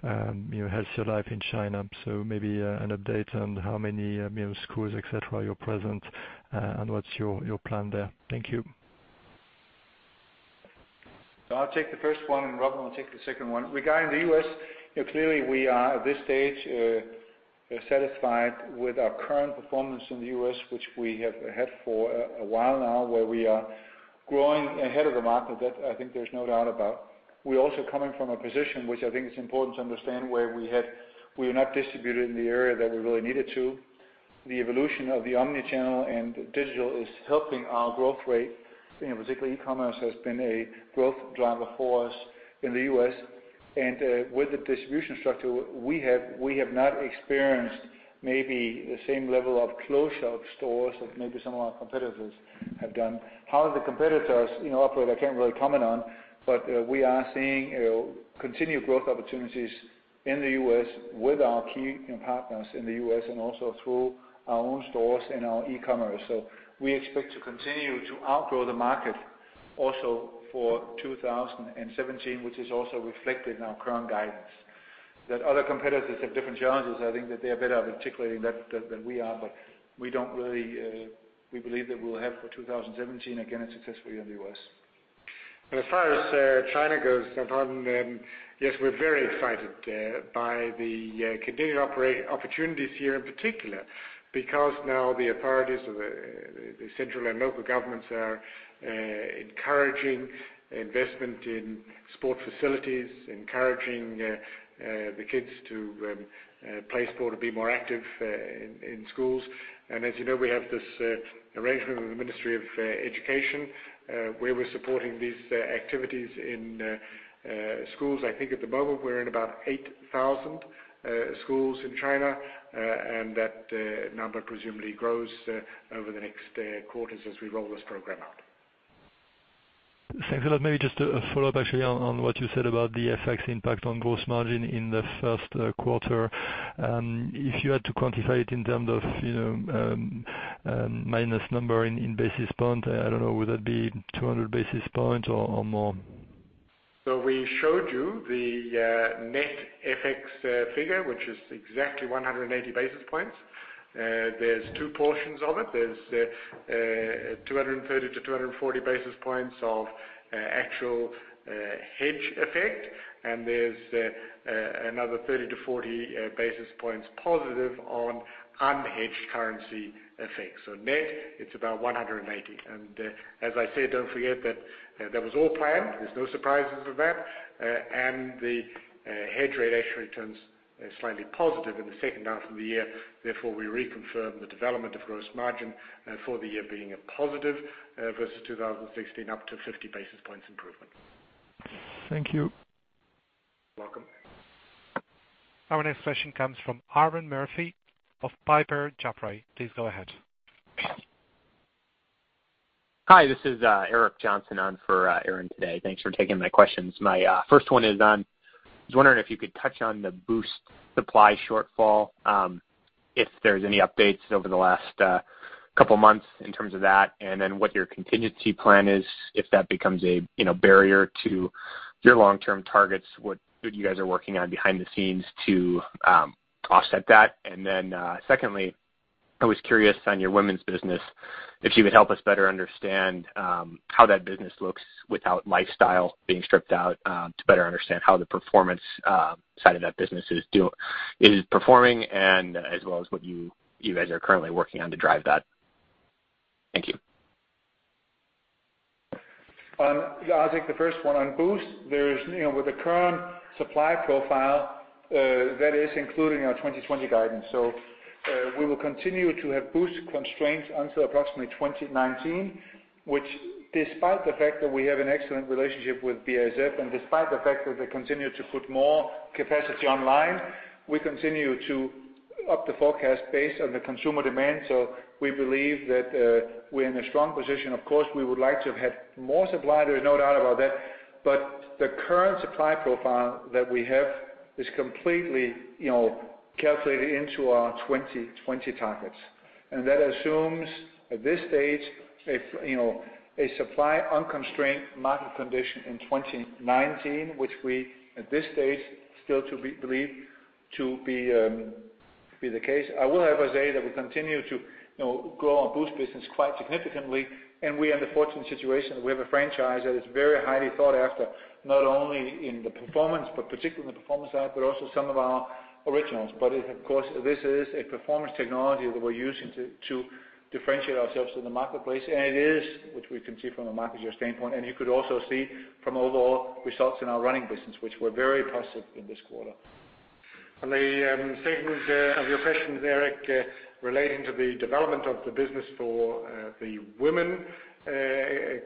healthier life in China. Maybe an update on how many schools, et cetera, you're present, and what's your plan there? Thank you. I'll take the first one, Robin will take the second one. Regarding the U.S., clearly we are, at this stage, satisfied with our current performance in the U.S., which we have had for a while now, where we are growing ahead of the market. That, I think there's no doubt about. We're also coming from a position which I think is important to understand, where we were not distributed in the area that we really needed to. The evolution of the omni-channel and digital is helping our growth rate. In particular, e-commerce has been a growth driver for us in the U.S. With the distribution structure, we have not experienced maybe the same level of closure of stores as maybe some of our competitors have done. How the competitors operate, I can't really comment on, but we are seeing continued growth opportunities in the U.S. with our key partners in the U.S. and also through our own stores and our e-commerce. We expect to continue to outgrow the market also for 2017, which is also reflected in our current guidance. That other competitors have different challenges, I think that they are better at articulating that than we are, but we believe that we'll have for 2017, again, a successful year in the U.S. As far as China goes, Antoine Belge, yes, we're very excited by the continued opportunities here in particular, because now the authorities of the central and local governments are encouraging investment in sport facilities, encouraging the kids to play sport and be more active in schools. As you know, we have this arrangement with the Ministry of Education, where we're supporting these activities in schools. I think at the moment, we're in about 8,000 schools in China, and that number presumably grows over the next quarters as we roll this program out. Thanks a lot. Maybe just a follow-up, actually, on what you said about the FX impact on gross margin in the first quarter. If you had to quantify it in terms of minus number in basis points, I don't know, would that be 200 basis points or more? We showed you the net FX figure, which is exactly 180 basis points. There's two portions of it. There's 230 to 240 basis points of actual hedge effect, and there's another 30 to 40 basis points positive on unhedged currency effect. Net, it's about 180. As I said, don't forget that that was all planned. There's no surprises with that. The hedge rate actually turns slightly positive in the second half of the year. Therefore, we reconfirm the development of gross margin for the year being a positive versus 2016, up to 50 basis points improvement. Thank you. Welcome. Our next question comes from Erinn Murphy of Piper Jaffray. Please go ahead. Hi, this is Eric Johnson on for Erinn today. Thanks for taking my questions. My first one is on, I was wondering if you could touch on the Boost supply shortfall, if there's any updates over the last couple of months in terms of that, and then what your contingency plan is if that becomes a barrier to your long-term targets, what you guys are working on behind the scenes to offset that. Secondly, I was curious on your women's business, if you would help us better understand how that business looks without Lifestyle being stripped out to better understand how the performance side of that business is performing, as well as what you guys are currently working on to drive that. Thank you. I'll take the first one. On Boost, with the current supply profile, that is included in our 2020 guidance. We will continue to have Boost constraints until approximately 2019, which despite the fact that we have an excellent relationship with BASF, despite the fact that they continue to put more capacity online, we continue to up the forecast based on the consumer demand. We believe that we're in a strong position. Of course, we would like to have had more supply, there's no doubt about that. The current supply profile that we have is completely calculated into our 2020 targets. That assumes at this stage, a supply unconstrained market condition in 2019, which we, at this stage, still believe to be the case. I will, however, say that we continue to grow our Boost business quite significantly, and we are in the fortunate situation that we have a franchise that is very highly thought after, not only in the performance, but particularly in the performance side, but also some of our Originals. Of course, this is a performance technology that we're using to differentiate ourselves in the marketplace. It is, which we can see from a market share standpoint, and you could also see from overall results in our running business, which were very positive in this quarter. On the second of your questions, Eric, relating to the development of the business for the women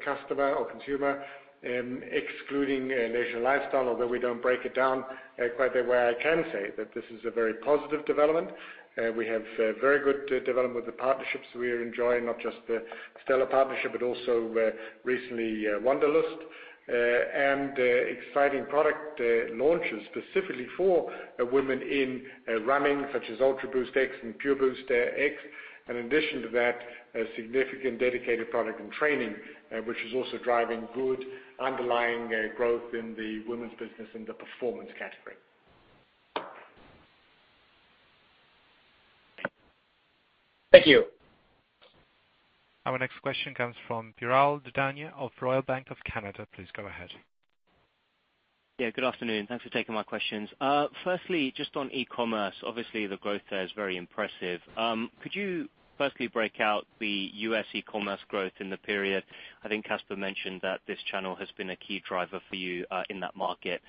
customer or consumer, excluding Lifestyle, although we don't break it down quite that way, I can say that this is a very positive development. We have very good development with the partnerships we are enjoying, not just the Stella partnership, but also recently Wanderlust. Exciting product launches specifically for women in running, such as Ultraboost X and Pureboost X. In addition to that, a significant dedicated product in training, which is also driving good underlying growth in the women's business in the performance category. Thank you. Our next question comes from Piral Dadhania of Royal Bank of Canada. Please go ahead. Good afternoon. Thanks for taking my questions. Firstly, just on e-commerce, obviously the growth there is very impressive. Could you firstly break out the U.S. e-commerce growth in the period? I think Kasper mentioned that this channel has been a key driver for you in that market.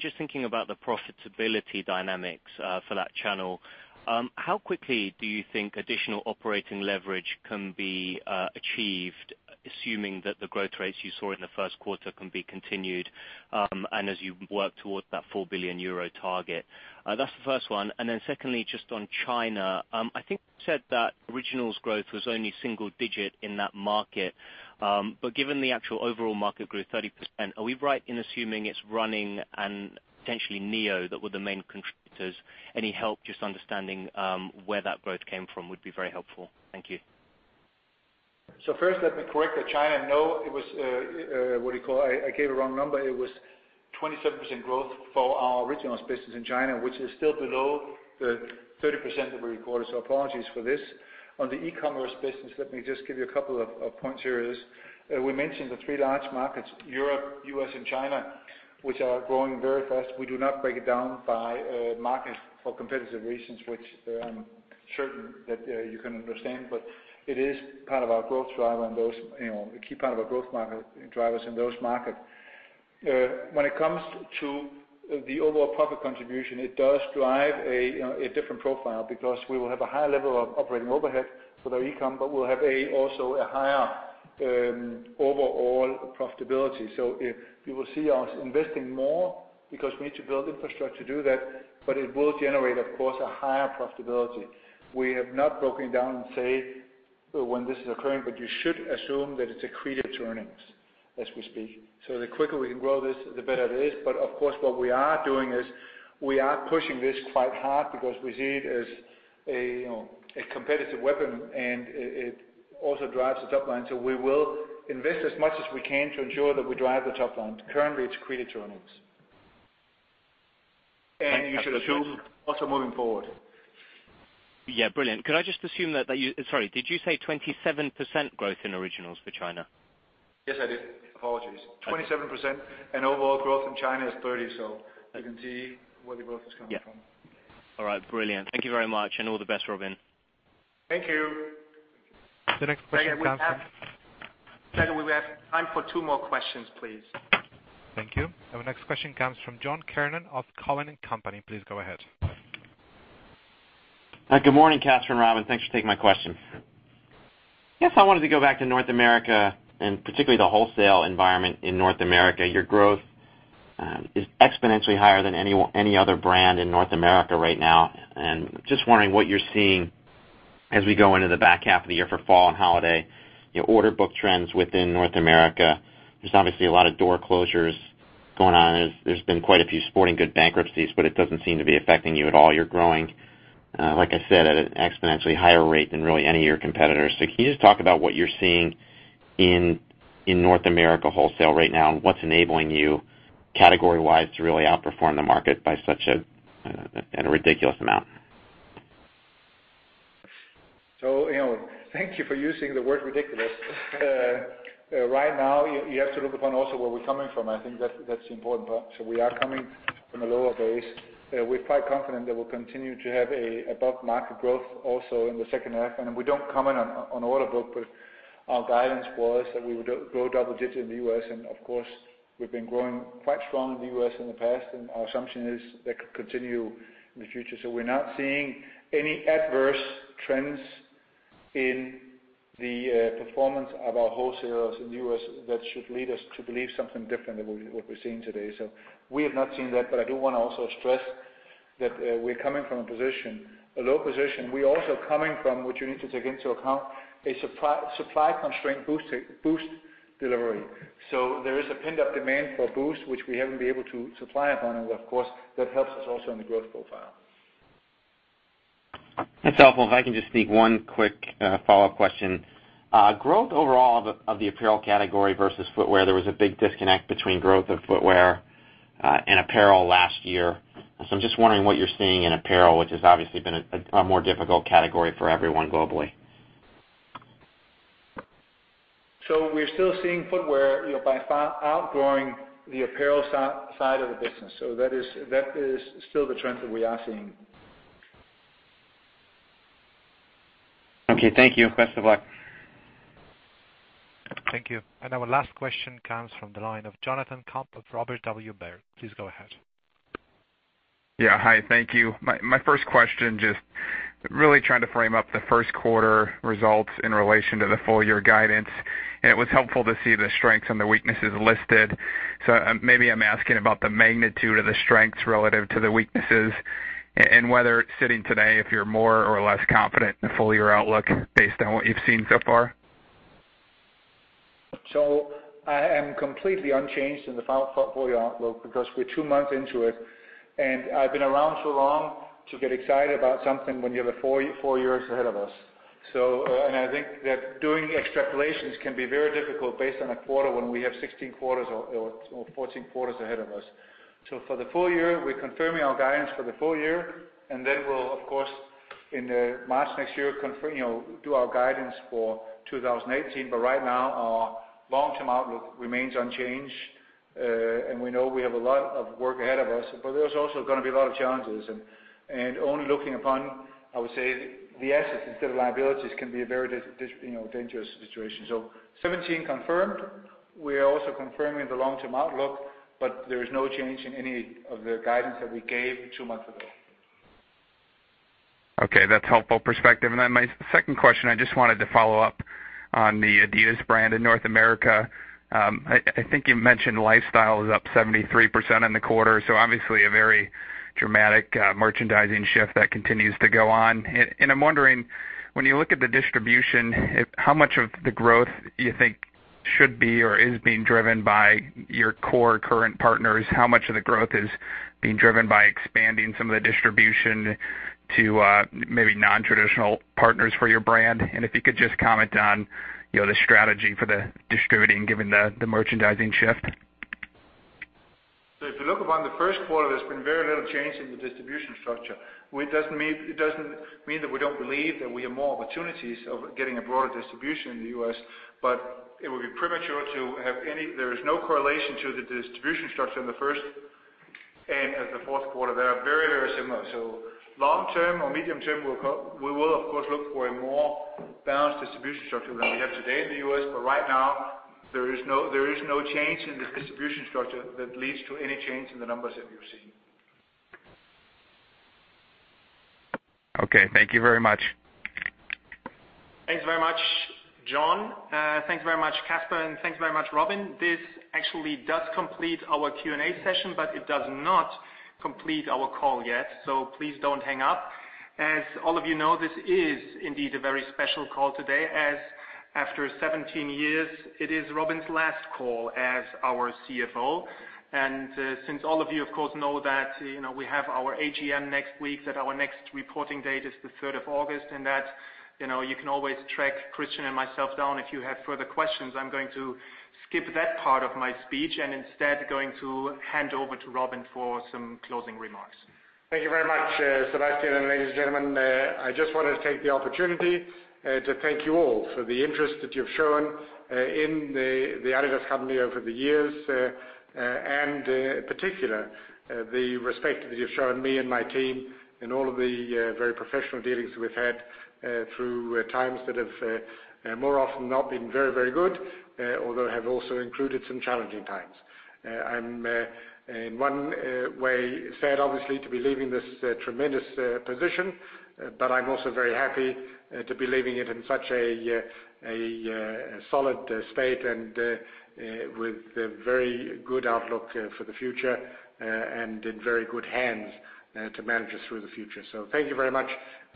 Just thinking about the profitability dynamics for that channel, how quickly do you think additional operating leverage can be achieved, assuming that the growth rates you saw in the first quarter can be continued, as you work towards that 4 billion euro target? That's the first one. Secondly, just on China. I think you said that Originals growth was only single-digit in that market. Given the actual overall market grew 30%, are we right in assuming it's running and potentially adidas NEO that were the main contributors? Any help just understanding where that growth came from would be very helpful. Thank you. First, let me correct that China. No, I gave a wrong number. 27% growth for our Originals business in China, which is still below the 30% that we recorded. Apologies for this. On the e-commerce business, let me just give you a couple of points here. We mentioned the three large markets, Europe, U.S., and China, which are growing very fast. We do not break it down by market for competitive reasons, which I'm certain that you can understand. It is part of our growth driver and a key part of our growth drivers in those markets. When it comes to the overall profit contribution, it does drive a different profile because we will have a higher level of operating overhead for the e-com, but we'll have also a higher overall profitability. You will see us investing more because we need to build infrastructure to do that, but it will generate, of course, a higher profitability. We have not broken down and say when this is occurring, you should assume that it's accretive to earnings as we speak. The quicker we can grow this, the better it is. Of course, what we are doing is we are pushing this quite hard because we see it as a competitive weapon, and it also drives the top line. We will invest as much as we can to ensure that we drive the top line. Currently, it's accretive to earnings. You should assume also moving forward. Yeah, brilliant. Could I just assume that you Sorry, did you say 27% growth in Originals for China? Yes, I did. Apologies. 27%, overall growth in China is 30. You can see where the growth is coming from. Yeah. All right, brilliant. Thank you very much, and all the best, Robin. Thank you. The next question comes from- Serge, we have time for two more questions, please. Thank you. Our next question comes from John Kernan of Cowen and Company. Please go ahead. Good morning, Kasper and Robin. Thanks for taking my question. Guess I wanted to go back to North America and particularly the wholesale environment in North America. Your growth is exponentially higher than any other brand in North America right now, and just wondering what you're seeing as we go into the back half of the year for fall and holiday, order book trends within North America. There's obviously a lot of door closures going on. There's been quite a few sporting good bankruptcies, but it doesn't seem to be affecting you at all. You're growing, like I said, at an exponentially higher rate than really any of your competitors. Can you just talk about what you're seeing in North America wholesale right now, and what's enabling you category-wise to really outperform the market by such a ridiculous amount? Thank you for using the word ridiculous. Right now, you have to look upon also where we're coming from. I think that's the important part. We are coming from a lower base. We're quite confident that we'll continue to have above-market growth also in the second half. We don't comment on order book, but our guidance was that we would grow double digits in the U.S., and of course, we've been growing quite strong in the U.S. in the past, and our assumption is that could continue in the future. We're not seeing any adverse trends in the performance of our wholesalers in the U.S. that should lead us to believe something different than what we're seeing today. We have not seen that, but I do want to also stress that we're coming from a position, a low position. We're also coming from, which you need to take into account, a supply constraint Boost delivery. There is a pent-up demand for Boost, which we haven't been able to supply upon, and of course, that helps us also in the growth profile. That's helpful. If I can just sneak one quick follow-up question. Growth overall of the apparel category versus footwear, there was a big disconnect between growth of footwear and apparel last year. I'm just wondering what you're seeing in apparel, which has obviously been a more difficult category for everyone globally. We're still seeing footwear, by far, outgrowing the apparel side of the business. That is still the trend that we are seeing. Okay, thank you. Best of luck. Thank you. Our last question comes from the line of Jonathan Komp of Robert W. Baird. Please go ahead. Yeah. Hi, thank you. My first question, just really trying to frame up the first quarter results in relation to the full-year guidance, and it was helpful to see the strengths and the weaknesses listed. Maybe I'm asking about the magnitude of the strengths relative to the weaknesses, and whether sitting today, if you're more or less confident in the full-year outlook based on what you've seen so far. I am completely unchanged in the full-year outlook because we're two months into it, and I've been around too long to get excited about something when we have a full four years ahead of us. I think that doing extrapolations can be very difficult based on a quarter when we have 16 quarters or 14 quarters ahead of us. For the full year, we're confirming our guidance for the full year, and then we'll, of course, in March next year, do our guidance for 2018. Right now, our long-term outlook remains unchanged. We know we have a lot of work ahead of us, but there's also going to be a lot of challenges. Only looking upon, I would say, the assets instead of liabilities can be a very dangerous situation. 2017 confirmed. We are also confirming the long-term outlook, but there is no change in any of the guidance that we gave two months ago. Okay. That's helpful perspective. My second question, I just wanted to follow up on the adidas brand in North America. I think you mentioned lifestyle is up 73% in the quarter, so obviously a very dramatic merchandising shift that continues to go on. I'm wondering, when you look at the distribution, how much of the growth you think should be or is being driven by your core current partners? How much of the growth is being driven by expanding some of the distribution to maybe non-traditional partners for your brand? If you could just comment on the strategy for the distribution, given the merchandising shift. If you look upon the first quarter, there's been very little change in the distribution structure. It doesn't mean that we don't believe that we have more opportunities of getting a broader distribution in the U.S., but it would be premature to have any. There is no correlation to the distribution structure in the first and the fourth quarter. They are very similar. Long-term or medium-term, we will, of course, look for a more balanced distribution structure than we have today in the U.S. Right now, there is no change in the distribution structure that leads to any change in the numbers that you're seeing. Okay. Thank you very much. Thanks very much, John. Thanks very much, Kasper, and thanks very much, Robin. This actually does complete our Q&A session, it does not complete our call yet, please don't hang up. All of you know, this is indeed a very special call today, as after 17 years, it is Robin's last call as our CFO. Since all of you, of course, know that we have our AGM next week, that our next reporting date is the 3rd of August, and that you can always track Christian and myself down if you have further questions. I'm going to skip that part of my speech and instead going to hand over to Robin for some closing remarks. Thank you very much, Sebastian, ladies and gentlemen. I just wanted to take the opportunity to thank you all for the interest that you've shown in the adidas company over the years, and in particular, the respect that you've shown me and my team in all of the very professional dealings we've had through times that have more often not been very good, although have also included some challenging times. I'm, in one way, sad, obviously, to be leaving this tremendous position. I'm also very happy to be leaving it in such a solid state and with a very good outlook for the future and in very good hands to manage us through the future. Thank you very much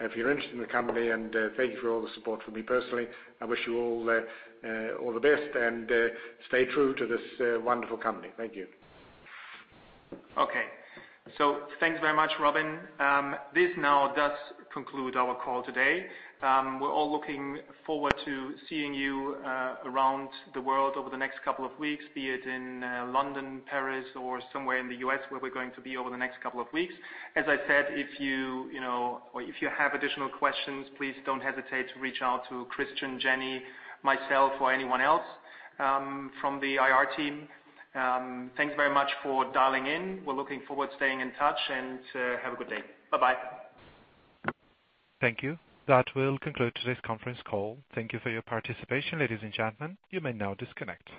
if you're interested in the company, and thank you for all the support for me personally. I wish you all the best, stay true to this wonderful company. Thank you. Thanks very much, Robin. This now does conclude our call today. We're all looking forward to seeing you around the world over the next couple of weeks, be it in London, Paris, or somewhere in the U.S., where we're going to be over the next couple of weeks. As I said, if you have additional questions, please don't hesitate to reach out to Christian, Jenny, myself, or anyone else from the IR team. Thanks very much for dialing in. We're looking forward to staying in touch. Have a good day. Bye-bye. Thank you. That will conclude today's conference call. Thank you for your participation, ladies and gentlemen. You may now disconnect.